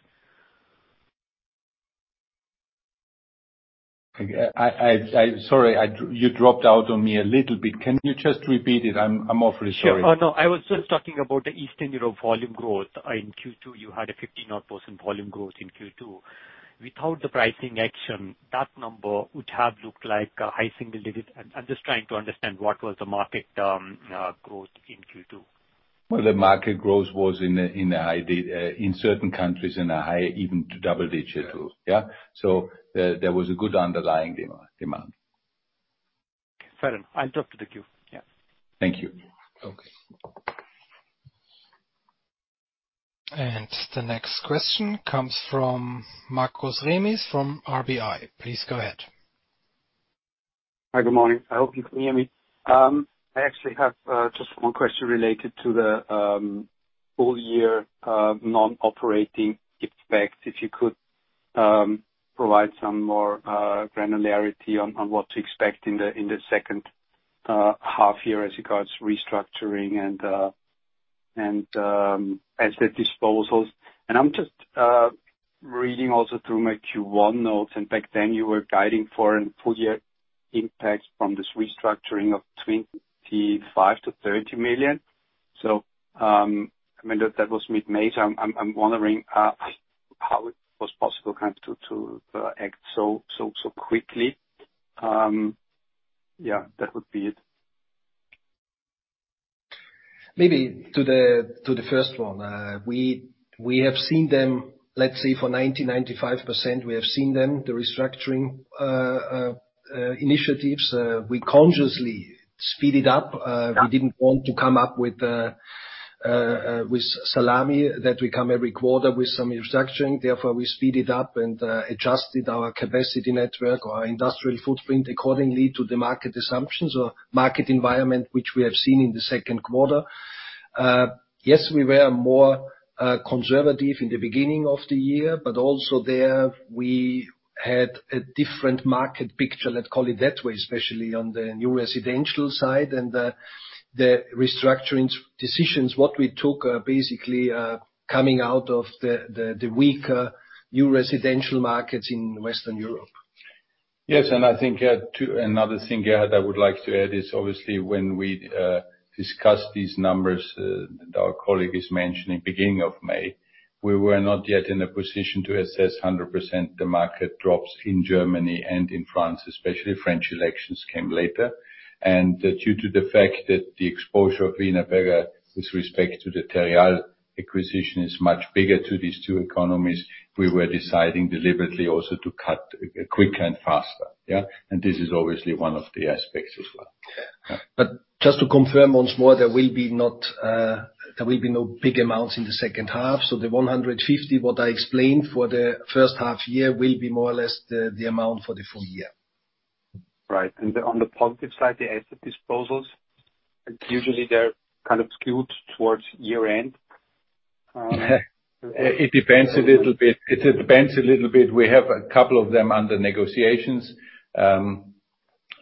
Sorry, you dropped out on me a little bit. Can you just repeat it? I'm awfully sorry. Sure. Oh, no, I was just talking about the Eastern Europe volume growth. In Q2, you had a 15-odd% volume growth in Q2. Without the pricing action, that number would have looked like a high single digit. I'm just trying to understand what was the market growth in Q2? Well, the market growth was in a high single-digit to double-digit in certain countries, yeah. So there was a good underlying demand. Fair enough. I drop to the queue. Yeah. Thank you. Okay. The next question comes from Markus Remis from RBI. Please go ahead. Hi, good morning. I hope you can hear me. I actually have just one question related to the full year non-operating effects. If you could provide some more granularity on what to expect in the second half year as it regards restructuring and asset disposals. And I'm just reading also through my Q1 notes. In fact, then you were guiding for a full year impact from this restructuring of 25 to 30 million. So, I mean, that was mid-May, so I'm wondering how it was possible kind of to act so quickly. Yeah, that would be it. Maybe to the first one. We have seen them, let's say for 95%, we have seen them, the restructuring initiatives. We consciously speed it up. We didn't want to come up with salami, that we come every quarter with some restructuring. Therefore, we speed it up and adjusted our capacity network or our industrial footprint accordingly to the market assumptions or market environment, which we have seen in Q2. Yes, we were more conservative in the beginning of the year, but also there, we had a different market picture, let's call it that way, especially on the new residential side. The restructuring decisions what we took are basically coming out of the weaker new residential markets in Western Europe. Yes, and I think, too, another thing here that I would like to add is, obviously, when we discussed these numbers, our colleague is mentioning beginning of May, we were not yet in a position to assess 100% the market drops in Germany and in France, especially French elections came later. And due to the fact that the exposure of Wienerberger with respect to the Terreal acquisition is much bigger to these two economies, we were deciding deliberately also to cut quicker and faster, yeah? And this is obviously one of the aspects as well. But just to confirm once more, there will be no big amounts in the second half. So the 150, what I explained for the first half year, will be more or less the amount for the full year. Right. And on the positive side, the asset disposals, usually they're kind of skewed towards year-end... It depends a little bit. It depends a little bit. We have a couple of them under negotiations.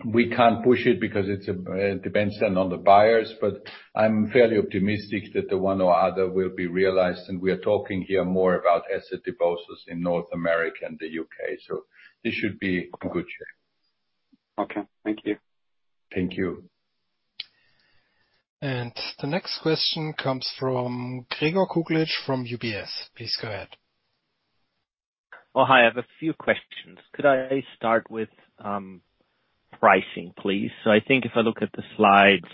We can't push it because it depends then on the buyers, but I'm fairly optimistic that the one or other will be realized, and we are talking here more about asset disposals in North America and the UK. So this should be in good shape. Okay. Thank you. Thank you. The next question comes from Gregor Kuglitsch from UBS. Please go ahead.... Oh, hi. I have a few questions. Could I start with pricing, please? So I think if I look at the slides,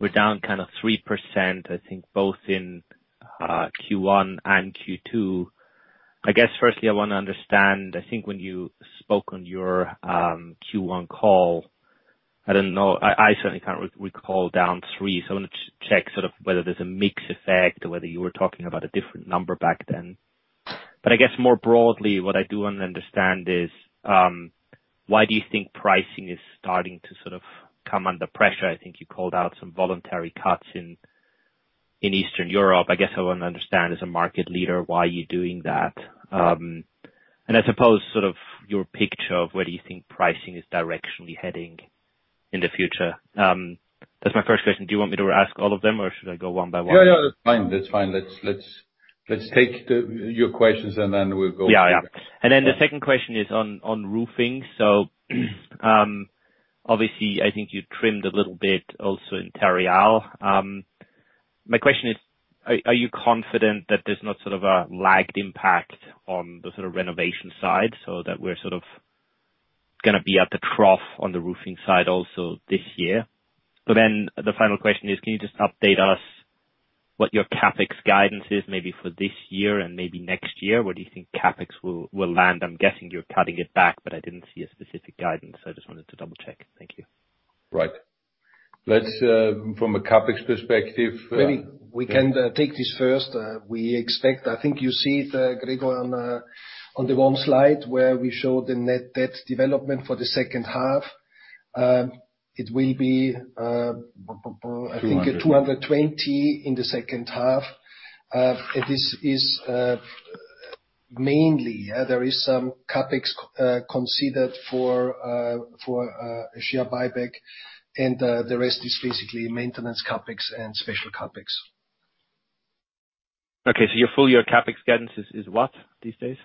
we're down kind of 3%, I think, both in Q1 and Q2. I guess, firstly, I want to understand, I think when you spoke on your Q1 call, I don't know, I certainly can't recall down 3, so I want to check sort of whether there's a mix effect or whether you were talking about a different number back then. But I guess more broadly, what I do want to understand is why do you think pricing is starting to sort of come under pressure? I think you called out some voluntary cuts in Eastern Europe. I guess I want to understand, as a market leader, why you're doing that. I suppose sort of your picture of where do you think pricing is directionally heading in the future? That's my first question. Do you want me to ask all of them, or should I go one by one? Yeah, that's fine. Let's take your questions, and then we'll go- Yeah, yeah. Okay. And then the second question is on roofing. So, obviously, I think you trimmed a little bit also in Terreal. My question is, are you confident that there's not sort of a lagged impact on the sort of renovation side, so that we're sort of gonna be at the trough on the roofing side also this year? So then the final question is, can you just update us what your CapEx guidance is, maybe for this year and maybe next year? Where do you think CapEx will land? I'm guessing you're cutting it back, but I didn't see a specific guidance, so I just wanted to double-check. Thank you. Right. Let's from a CapEx perspective, Maybe we can take this first. We expect... I think you see it, Gregor, on the one slide where we show the net debt development for the second half. It will be, b-b-b- Two hundred. I think 220 in the second half. This is mainly, yeah, there is some CapEx considered for share buyback, and the rest is basically Maintenance CapEx and Special CapEx. Okay, so your full year CapEx guidance is, is what these days?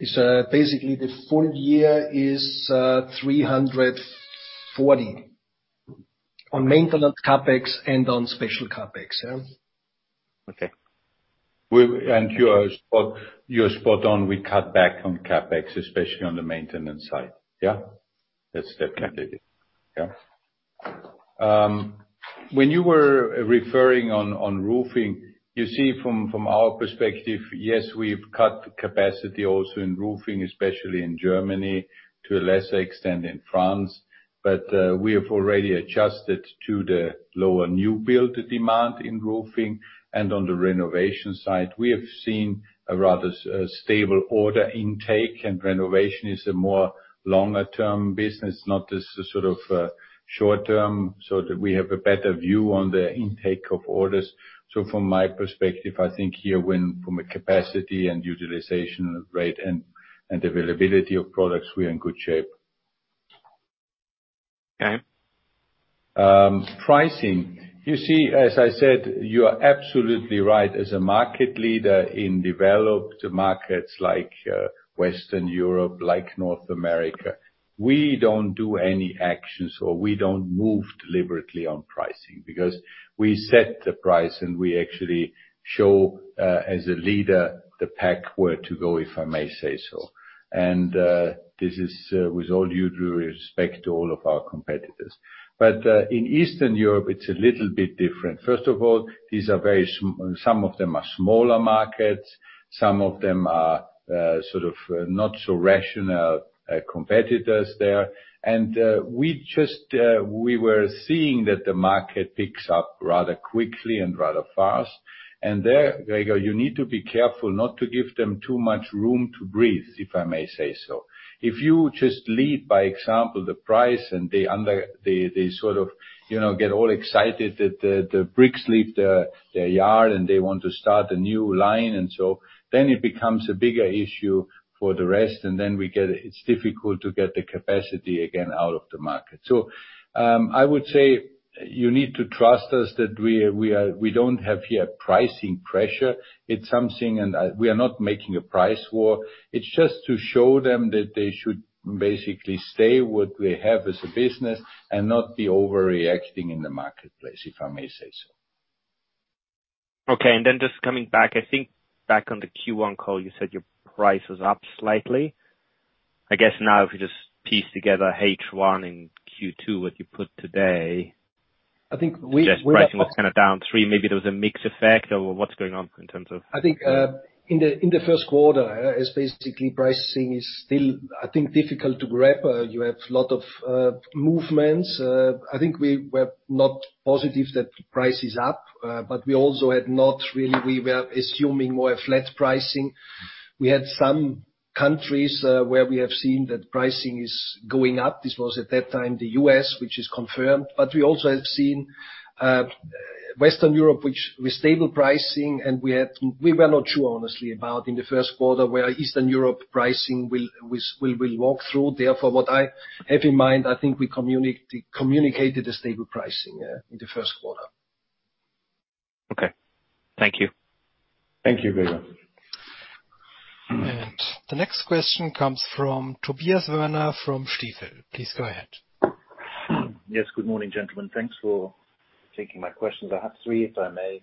It's basically the full year is 340 on maintenance CapEx and on special CapEx. Yeah. Okay. You are spot on. We cut back on CapEx, especially on the maintenance side. Yeah? That's definitely it. Yeah. When you were referring on roofing, you see from our perspective, yes, we've cut capacity also in roofing, especially in Germany, to a lesser extent in France, but we have already adjusted to the lower new build demand in roofing. On the renovation side, we have seen a rather stable order intake, and renovation is a more longer-term business, not as sort of short-term, so that we have a better view on the intake of orders. From my perspective, I think here, when from a capacity and utilization rate and availability of products, we are in good shape. Okay. Pricing. You see, as I said, you are absolutely right. As a market leader in developed markets like Western Europe, like North America, we don't do any actions, or we don't move deliberately on pricing, because we set the price, and we actually show, as a leader, the pack where to go, if I may say so. And this is, with all due respect to all of our competitors. But in Eastern Europe, it's a little bit different. First of all, these are very small, some of them are smaller markets, some of them are sort of not so rational competitors there. And we just, we were seeing that the market picks up rather quickly and rather fast. There, Gregor, you need to be careful not to give them too much room to breathe, if I may say so. If you just lead by example, the price, and they... They, they sort of, you know, get all excited that the, the bricks leave their, their yard, and they want to start a new line, and so then it becomes a bigger issue for the rest, and then we get... It's difficult to get the capacity again out of the market. So, I would say, you need to trust us that we, we are, we don't have here pricing pressure. It's something... We are not making a price war. It's just to show them that they should basically stay what we have as a business and not be overreacting in the marketplace, if I may say so. Okay, and then just coming back, I think back on the Q1 call, you said your price was up slightly. I guess now, if you just piece together H1 and Q2, what you put today- I think we- Just pricing was kind of down 3%. Maybe there was a mix effect, or what's going on in terms of- I think, in Q1, is basically pricing is still, I think, difficult to grab. You have a lot of movements. I think we were not positive that price is up, but we also had not really, we were assuming more a flat pricing. We had some countries where we have seen that pricing is going up. This was, at that time, the US, which is confirmed, but we also have seen Western Europe, which with stable pricing, and we were not sure, honestly, about in Q1, where Eastern Europe pricing will, which we will walk through. Therefore, what I have in mind, I think we communicated a stable pricing in Q1. Okay. Thank you. Thank you, Gregor. The next question comes from Tobias Woerner, from Stifel. Please go ahead.... Yes, good morning, gentlemen. Thanks for taking my questions. I have three, if I may.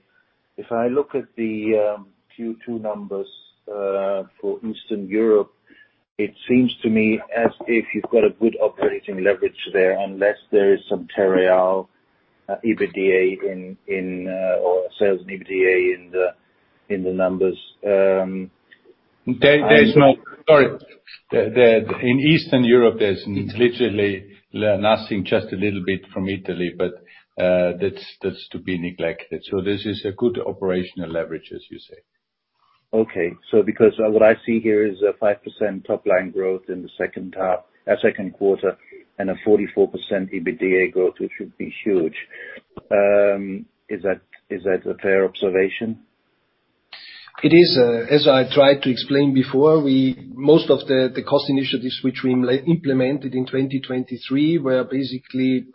If I look at the Q2 numbers for Eastern Europe, it seems to me as if you've got a good operating leverage there, unless there is some Terreal EBITDA in or sales and EBITDA in the numbers... In Eastern Europe, there's literally nothing, just a little bit from Italy, but that's to be neglected. So this is a good operational leverage, as you say. Okay. So because what I see here is a 5% top line growth in the second half, Q2, and a 44% EBITDA growth, which would be huge. Is that, is that a fair observation? It is, as I tried to explain before, we—most of the cost initiatives which we implemented in 2023 were basically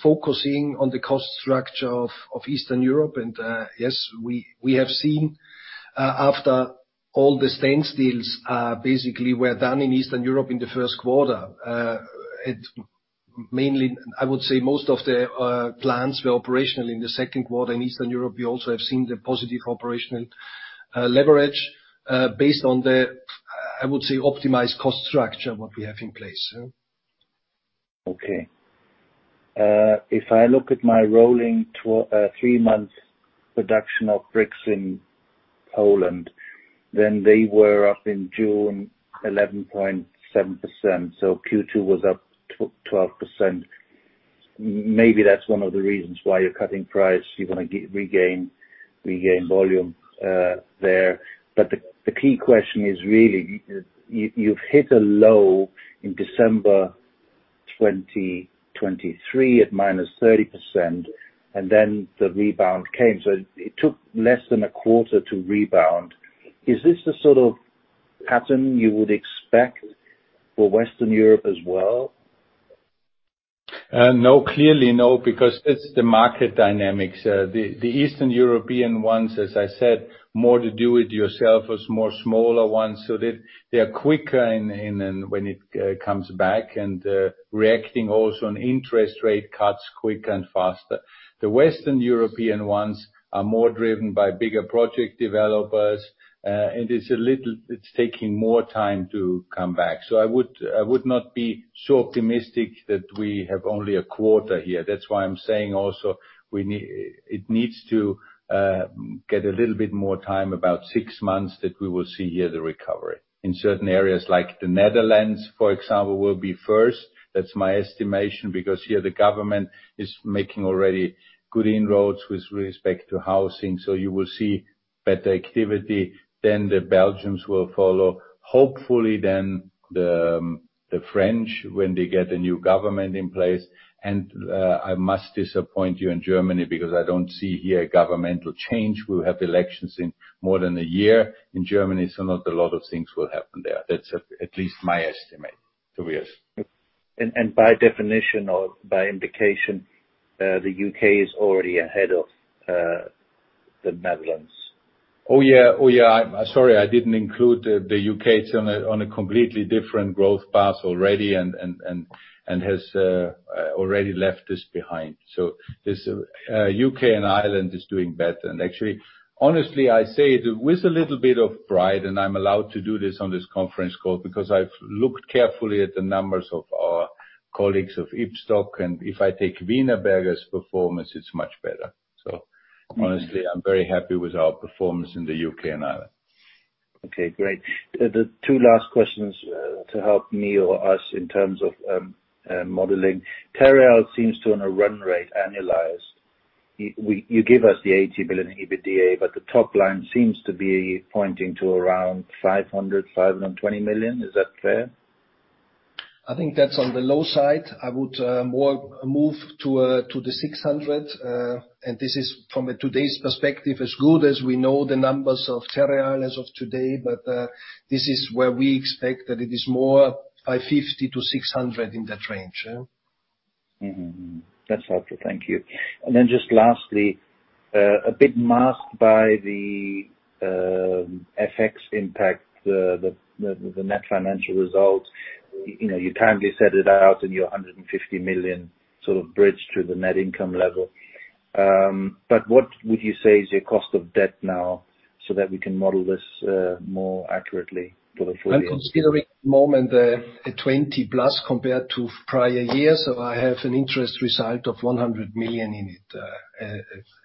focusing on the cost structure of Eastern Europe. And yes, we have seen, after all the standstill costs basically were done in Eastern Europe in Q1. It mainly... I would say most of the plants were operational in Q2. In Eastern Europe, we also have seen the positive operational leverage based on the, I would say, optimized cost structure what we have in place, yeah. Okay. If I look at my rolling three months production of bricks in Poland, then they were up in June, 11.7%, so Q2 was up 12%. Maybe that's one of the reasons why you're cutting price. You want to regain volume there. But the key question is really, you've hit a low in December 2023 at -30%, and then the rebound came, so it took less than a quarter to rebound. Is this the sort of pattern you would expect for Western Europe as well? No, clearly no, because it's the market dynamics. The Eastern European ones, as I said, more to do-it-yourself as more smaller ones, so they are quicker in when it comes back and reacting also on interest rate cuts quicker and faster. The Western European ones are more driven by bigger project developers, and it's a little. It's taking more time to come back. So I would not be so optimistic that we have only a quarter here. That's why I'm saying also, it needs to get a little bit more time, about six months, that we will see here the recovery. In certain areas, like the Netherlands, for example, will be first. That's my estimation, because here the government is making already good inroads with respect to housing. So you will see better activity, then the Belgians will follow. Hopefully then, the French, when they get a new government in place, and I must disappoint you in Germany, because I don't see here a governmental change. We'll have elections in more than a year in Germany, so not a lot of things will happen there. That's at least my estimate, Tobias. And by definition or by indication, the UK is already ahead of the Netherlands. Oh, yeah. Oh, yeah. I'm sorry, I didn't include the UK. It's on a completely different growth path already and has already left this behind. So this UK and Ireland is doing better. And actually, honestly, I say it with a little bit of pride, and I'm allowed to do this on this conference call because I've looked carefully at the numbers of our colleagues of Ibstock, and if I take Wienerberger's performance, it's much better. So honestly, I'm very happy with our performance in the UK and Ireland. Okay, great. The two last questions to help me or us in terms of modeling. Terreal seems to, on a run rate, annualize. We, you give us the 80 million EBITDA, but the top line seems to be pointing to around 500 to 520 million. Is that fair? I think that's on the low side. I would more move to 600, and this is from today's perspective, as good as we know the numbers of Terreal as of today. But this is where we expect that it is more by 550 to 600 in that range, yeah. Mm-hmm. That's helpful. Thank you. And then just lastly, a bit masked by the FX impact, the net financial results. You know, you kindly set it out in your 150 million sort of bridge to the net income level. But what would you say is your cost of debt now, so that we can model this more accurately for the full year? I'm considering at the moment a 20+ compared to prior years, so I have an interest result of 100 million in it,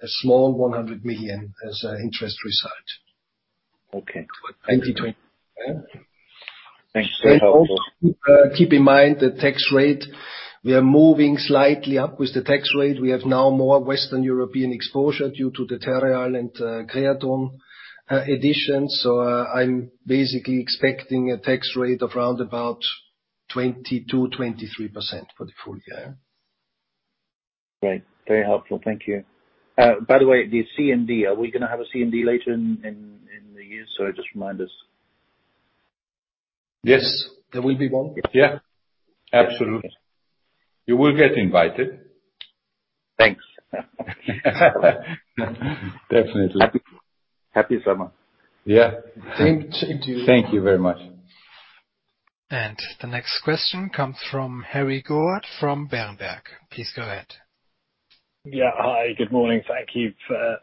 a small 100 million as an interest result. Okay. 2020. Yeah. Thanks. Keep in mind the tax rate. We are moving slightly up with the tax rate. We have now more Western European exposure due to the Terreal and, Creaton, addition. So, I'm basically expecting a tax rate of around about 20% to 23% for the full year. Great. Very helpful. Thank you. By the way, the CMD, are we gonna have a CMD later in the year? Sorry, just remind us. Yes, there will be one. Yeah, absolutely. You will get invited.... Thanks. Definitely. Happy summer. Yeah. Same to you. Thank you very much. The next question comes from Harry Goad from Berenberg. Please go ahead. Yeah. Hi, good morning. Thank you for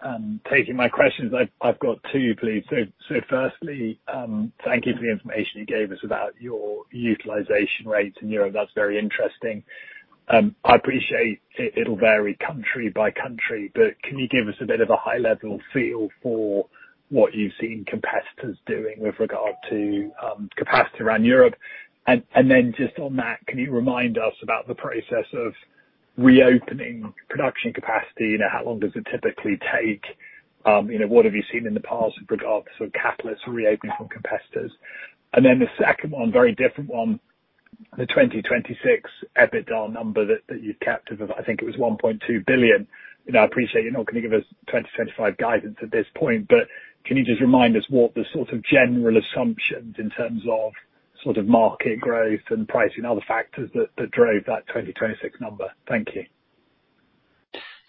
taking my questions. I've got two, please. So firstly, thank you for the information you gave us about your utilization rates in Europe. That's very interesting. I appreciate it, it'll vary country by country, but can you give us a bit of a high-level feel for what you've seen competitors doing with regard to capacity around Europe? And then just on that, can you remind us about the process of reopening production capacity? You know, how long does it typically take? You know, what have you seen in the past with regards to catalysts reopening from competitors? And then the second one, very different one, the 2026 EBITDA number that you've kept of, I think it was 1.2 billion. You know, I appreciate you're not gonna give us 2025 guidance at this point, but can you just remind us what the sort of general assumptions in terms of sort of market growth and pricing and other factors that, that drove that 2026 number? Thank you.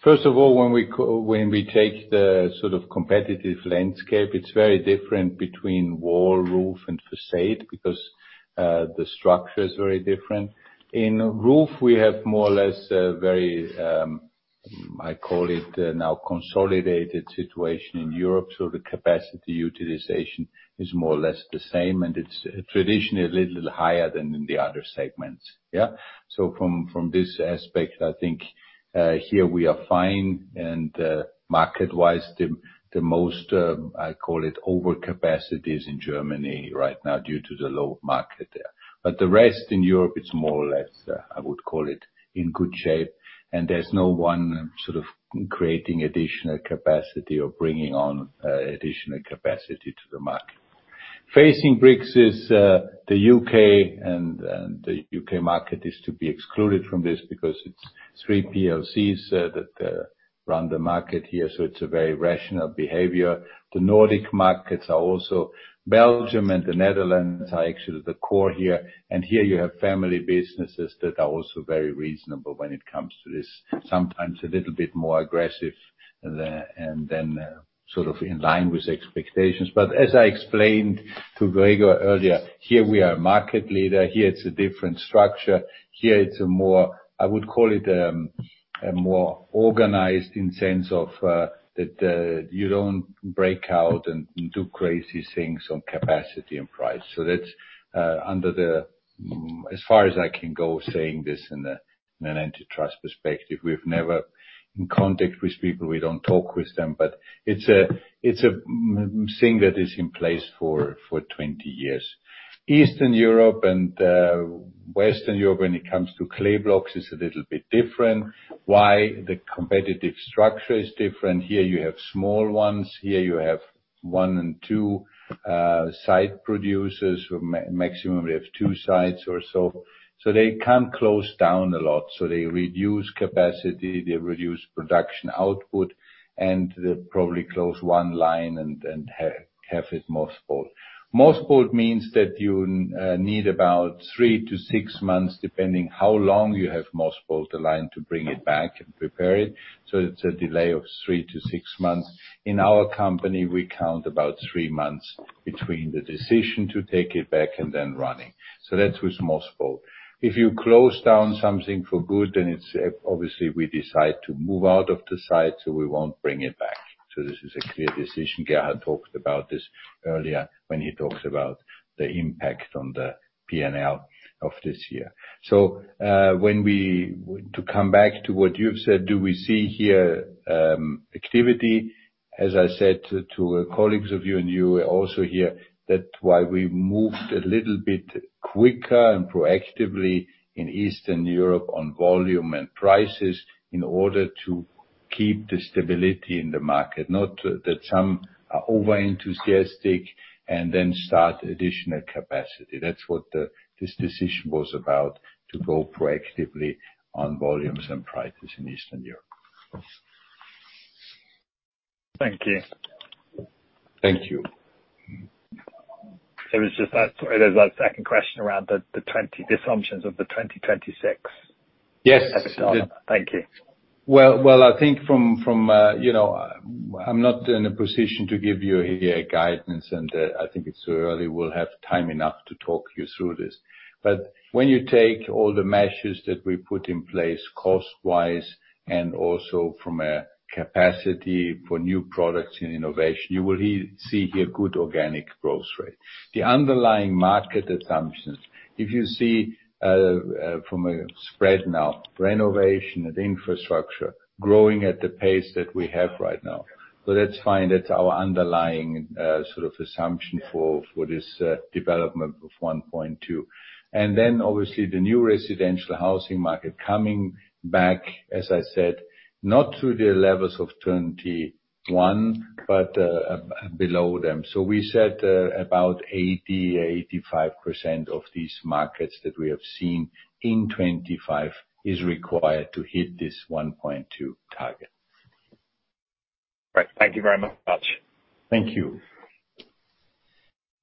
First of all, when we take the sort of competitive landscape, it's very different between wall, roof, and façade, because the structure is very different. In roof, we have more or less a very I call it now consolidated situation in Europe, so the capacity utilization is more or less the same, and it's traditionally a little higher than in the other segments. Yeah? So from this aspect, I think here we are fine, and market-wise, the most I call it over capacities in Germany right now due to the low market there. But the rest in Europe, it's more or less I would call it in good shape, and there's no one sort of creating additional capacity or bringing on additional capacity to the market. Facing bricks is the UK, and the UK market is to be excluded from this because it's three PLCs that run the market here, so it's a very rational behavior. The Nordic markets are also... Belgium and the Netherlands are actually the core here, and here you have family businesses that are also very reasonable when it comes to this. Sometimes a little bit more aggressive, and then sort of in line with expectations. But as I explained to Gregor earlier, here we are a market leader, here it's a different structure, here it's a more, I would call it, a more organized in sense of that you don't break out and do crazy things on capacity and price. So that's as far as I can go, saying this in a in an antitrust perspective, we've never in contact with people, we don't talk with them, but it's a thing that is in place for 20 years. Eastern Europe and Western Europe, when it comes to clay blocks, is a little bit different. Why? The competitive structure is different. Here, you have small ones. Here, you have one and two site producers who maximum we have two sites or so. So they can't close down a lot, so they reduce capacity, they reduce production output, and they probably close one line and have it mothballed. Mothballed means that you need about three to six months, depending how long you have mothballed the line, to bring it back and prepare it. So it's a delay of three to six months. In our company, we count about three months between the decision to take it back and then running. So that's with mothballed. If you close down something for good, then it's obviously we decide to move out of the site, so we won't bring it back. So this is a clear decision. Gerhard talked about this earlier when he talks about the impact on the P&L of this year. So, to come back to what you've said, do we see here activity? As I said to colleagues of you and you are also here, that's why we moved a little bit quicker and proactively in Eastern Europe on volume and prices in order to keep the stability in the market, not that some are over-enthusiastic and then start additional capacity. That's what this decision was about, to go proactively on volumes and prices in Eastern Europe. Thank you. Thank you. There was just that. There's that second question around the assumptions of the 2026. Yes. Thank you. Well, I think from you know, I'm not in a position to give you here guidance, and I think it's too early. We'll have time enough to talk you through this. But when you take all the measures that we put in place cost-wise, and also from a capacity for new products and innovation, you will see here good organic growth rate. The underlying market assumptions, if you see, from a spread now, renovation and infrastructure growing at the pace that we have right now. So that's fine. That's our underlying sort of assumption for this development of 1.2. And then, obviously, the new residential housing market coming back, as I said, not to the levels of 2021, but below them. So we said, about 80%-85% of these markets that we have seen in 2025 is required to hit this 1.2 target.... Thank you very much. Thank you.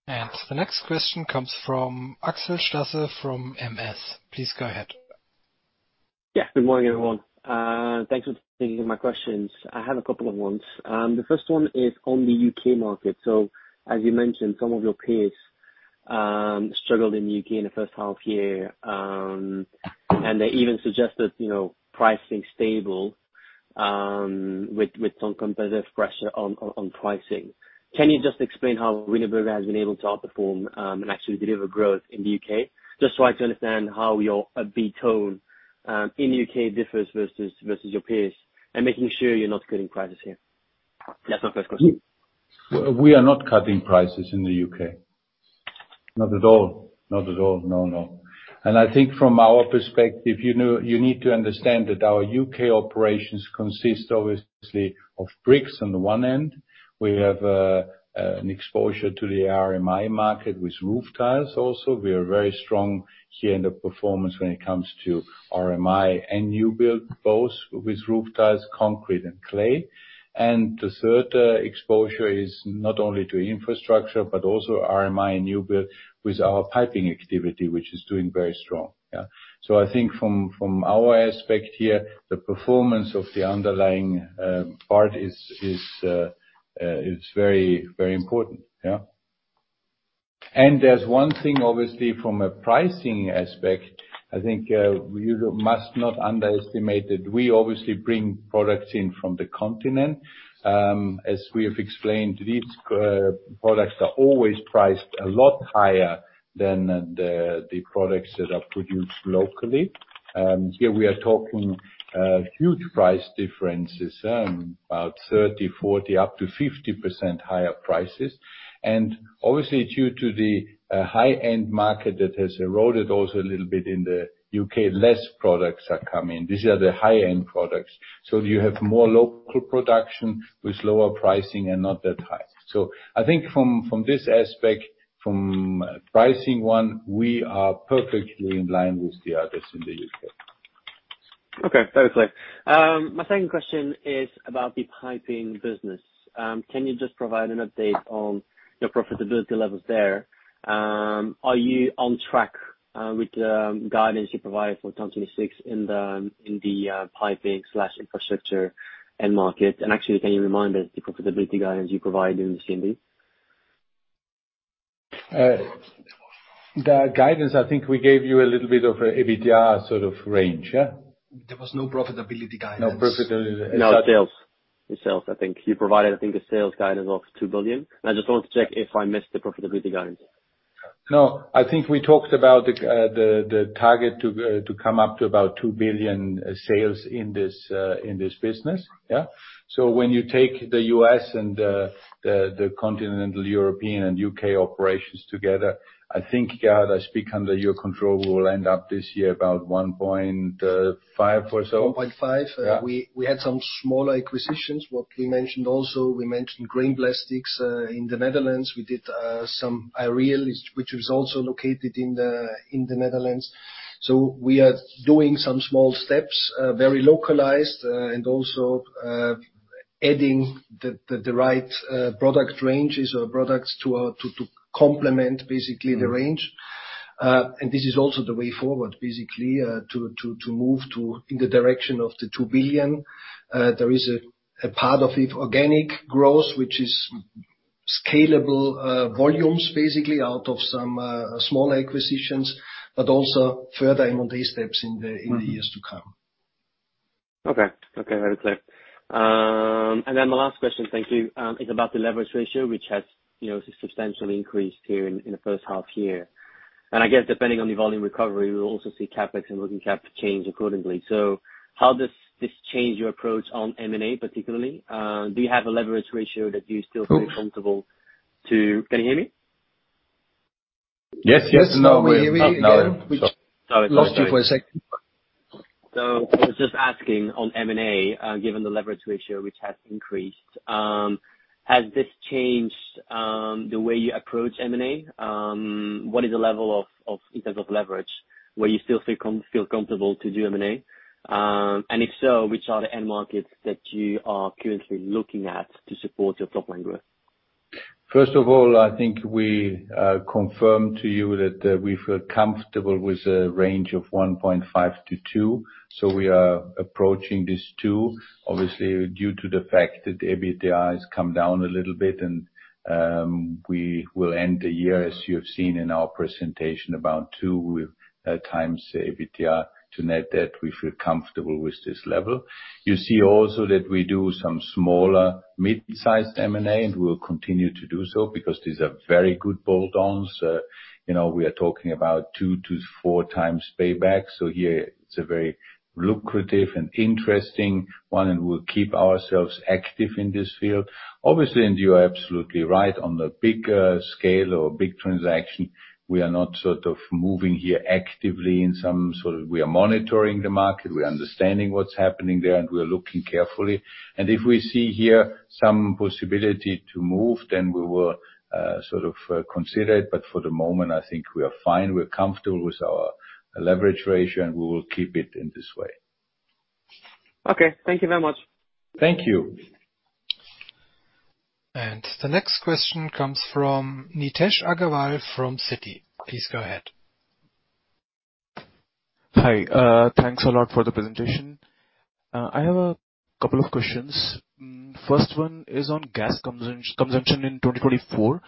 The next question comes from Axel Stasse from MS. Please go ahead. Yeah. Good morning, everyone. Thanks for taking my questions. I have a couple of ones. The first one is on the UK market. So as you mentioned, some of your peers struggled in UK in the first half year. And they even suggested, you know, pricing stable, with some competitive pressure on pricing. Can you just explain how Wienerberger has been able to outperform, and actually deliver growth in the UK? Just so I can understand how your beat tone in the UK differs versus your peers, and making sure you're not cutting prices here. That's my first question. We are not cutting prices in the UK. Not at all. Not at all, no, no. And I think from our perspective, you know, you need to understand that our UK operations consist obviously of bricks on the one end. We have an exposure to the RMI market with roof tiles also. We are very strong here in the performance when it comes to RMI and new build, both with roof tiles, concrete and clay. And the third exposure is not only to infrastructure, but also RMI and new build with our piping activity, which is doing very strong, yeah. So I think from our aspect here, the performance of the underlying part is very, very important, yeah? And there's one thing, obviously, from a pricing aspect, I think, you must not underestimate, that we obviously bring products in from the continent. As we have explained, these products are always priced a lot higher than the products that are produced locally. Here we are talking huge price differences, about 30%, 40%, up to 50% higher prices. And obviously, due to the high-end market that has eroded also a little bit in the UK, less products are coming. These are the high-end products. So you have more local production with lower pricing and not that high. So I think from this aspect, from pricing one, we are perfectly in line with the others in the UK. Okay, that's clear. My second question is about the piping business. Can you just provide an update on your profitability levels there? Are you on track with the guidance you provided for 2026 in the piping/infrastructure end market? And actually, can you remind us the profitability guidance you provided in the CMB? The guidance, I think we gave you a little bit of a EBITDA sort of range, yeah? There was no profitability guidance. No profitability- No, sales. The sales, I think. You provided, I think, a sales guidance of 2 billion. I just wanted to check if I missed the profitability guidance. No, I think we talked about the target to come up to about 2 billion sales in this business, yeah? So when you take the U.S. and the continental European and U.K. operations together, I think, yeah, I speak under your control, we will end up this year about 1.5 billion or so. 1.5. Yeah. We had some small acquisitions. What we mentioned also, we mentioned Grain Plastics in the Netherlands. We did some aerial, which is also located in the Netherlands. So we are doing some small steps, very localized, and also adding the right product ranges or products to complement, basically, the range. And this is also the way forward, basically, to move to in the direction of the 2 billion. There is a part of it, organic growth, which is scalable volumes, basically, out of some small acquisitions, but also further M&A steps in the-... in the years to come. Okay. Okay, very clear. And then my last question, thank you, is about the leverage ratio, which has, you know, substantially increased here in, in the first half year. And I guess depending on the volume recovery, we'll also see CapEx and working cap change accordingly. So how does this change your approach on M&A, particularly? Do you have a leverage ratio that you still feel comfortable to- Oops. Can you hear me? Yes, yes. Now we- We hear you. Sorry. Lost you for a second. So I was just asking on M&A, given the leverage ratio, which has increased, has this changed the way you approach M&A? And if so, which are the end markets that you are currently looking at to support your top line growth? First of all, I think we confirmed to you that we feel comfortable with a range of 1.5 to 2, so we are approaching this 2. Obviously, due to the fact that the EBITDA has come down a little bit and we will end the year, as you have seen in our presentation, about 2x EBITDA. To net that, we feel comfortable with this level. You see also that we do some smaller, mid-sized M&A, and we will continue to do so because these are very good add-ons. You know, we are talking about 2 to 4x payback, so here it's a very lucrative and interesting one, and we'll keep ourselves active in this field. Obviously, and you are absolutely right, on the big scale or big transaction, we are not sort of moving here actively in some sort of. We are monitoring the market, we're understanding what's happening there, and we're looking carefully. And if we see here some possibility to move, then we will sort of consider it, but for the moment, I think we are fine. We're comfortable with our leverage ratio, and we will keep it in this way. Okay. Thank you very much. Thank you. ... The next question comes from Nitesh Agarwal from Citi. Please go ahead. Hi, thanks a lot for the presentation. I have a couple of questions. First one is on gas consumption in 2024.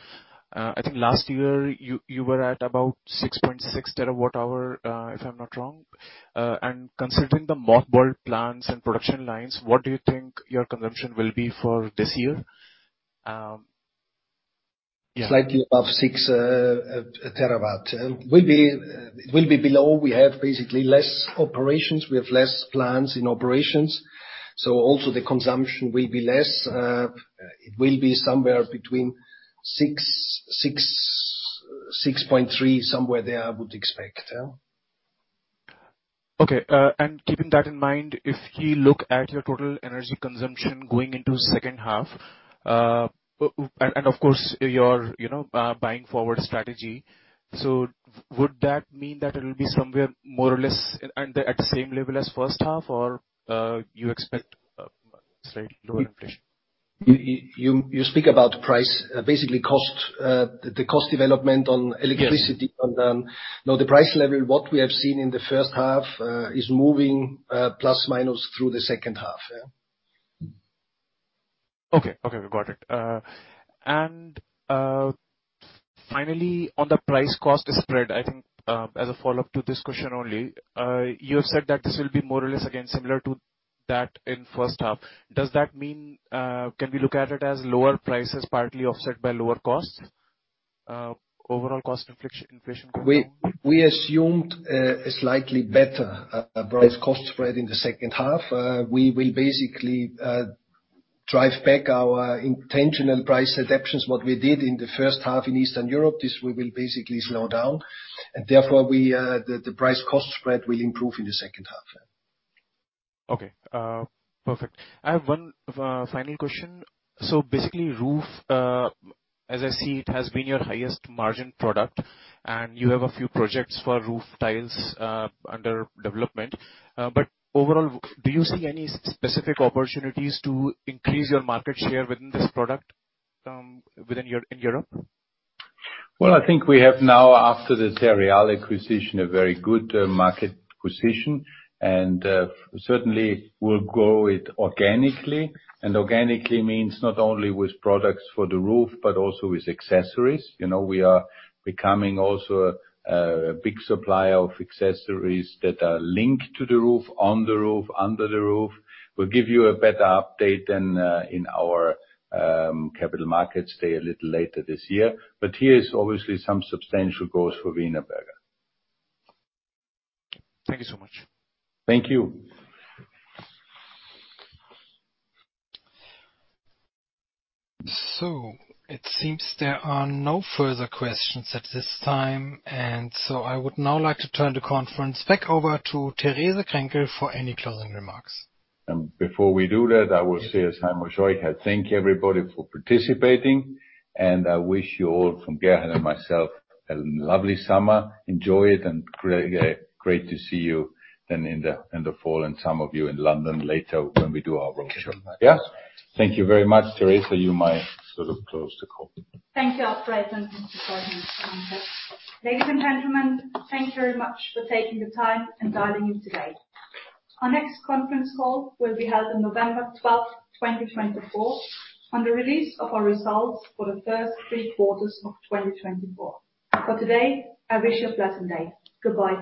I think last year, you, you were at about 6.6 terawatt-hours, if I'm not wrong. And considering the mothballed plants and production lines, what do you think your consumption will be for this year? Yeah. Slightly above 6 TWh. Will be below. We have basically less operations, we have less plants in operations, so also the consumption will be less. It will be somewhere between 6, 6, 6.3, somewhere there, I would expect. Okay. And keeping that in mind, if you look at your total energy consumption going into second half, and, of course, your, you know, buying forward strategy, so would that mean that it will be somewhere more or less, and at the same level as first half, or, you expect, slightly lower inflation? You speak about price, basically cost, the cost development on electricity. Yes. No, the price level, what we have seen in the first half, is moving plus minus through the second half, yeah. Okay. Okay, got it. And finally, on the price-cost spread, I think, as a follow-up to this question only, you have said that this will be more or less, again, similar to that in first half. Does that mean, can we look at it as lower prices, partly offset by lower costs? Overall cost inflation, inflation- We assumed a slightly better price-cost spread in the second half. We will basically drive back our intentional price adaptations, what we did in the first half in Eastern Europe; this we will basically slow down, and therefore the price-cost spread will improve in the second half. Okay, perfect. I have one final question. So basically, roof, as I see, it has been your highest margin product, and you have a few projects for roof tiles under development. But overall, do you see any specific opportunities to increase your market share within this product, within your in Europe? Well, I think we have now, after the Terreal acquisition, a very good market position, and certainly we'll grow it organically. And organically means not only with products for the roof, but also with accessories. You know, we are becoming also a big supplier of accessories that are linked to the roof, on the roof, under the roof. We'll give you a better update than in our capital markets day, a little later this year. But here is obviously some substantial growth for Wienerberger. Thank you so much. Thank you. It seems there are no further questions at this time, and so I would now like to turn the conference back over to Therese Krenkel for any closing remarks. And before we do that, I will say, as Heimo Scheuch, I thank everybody for participating, and I wish you all, from Gerhard and myself, a lovely summer. Enjoy it, and great, great to see you then in the, in the fall, and some of you in London later when we do our roadshow. Yeah. Thank you very much. Therese, you might sort of close the call. Thank you, Alfred and Mr. Scheuch. Ladies and gentlemen, thank you very much for taking the time and dialing in today. Our next conference call will be held on 12 November 2024, on the release of our results for the first three quarters of 2024. For today, I wish you a pleasant day. Goodbye now.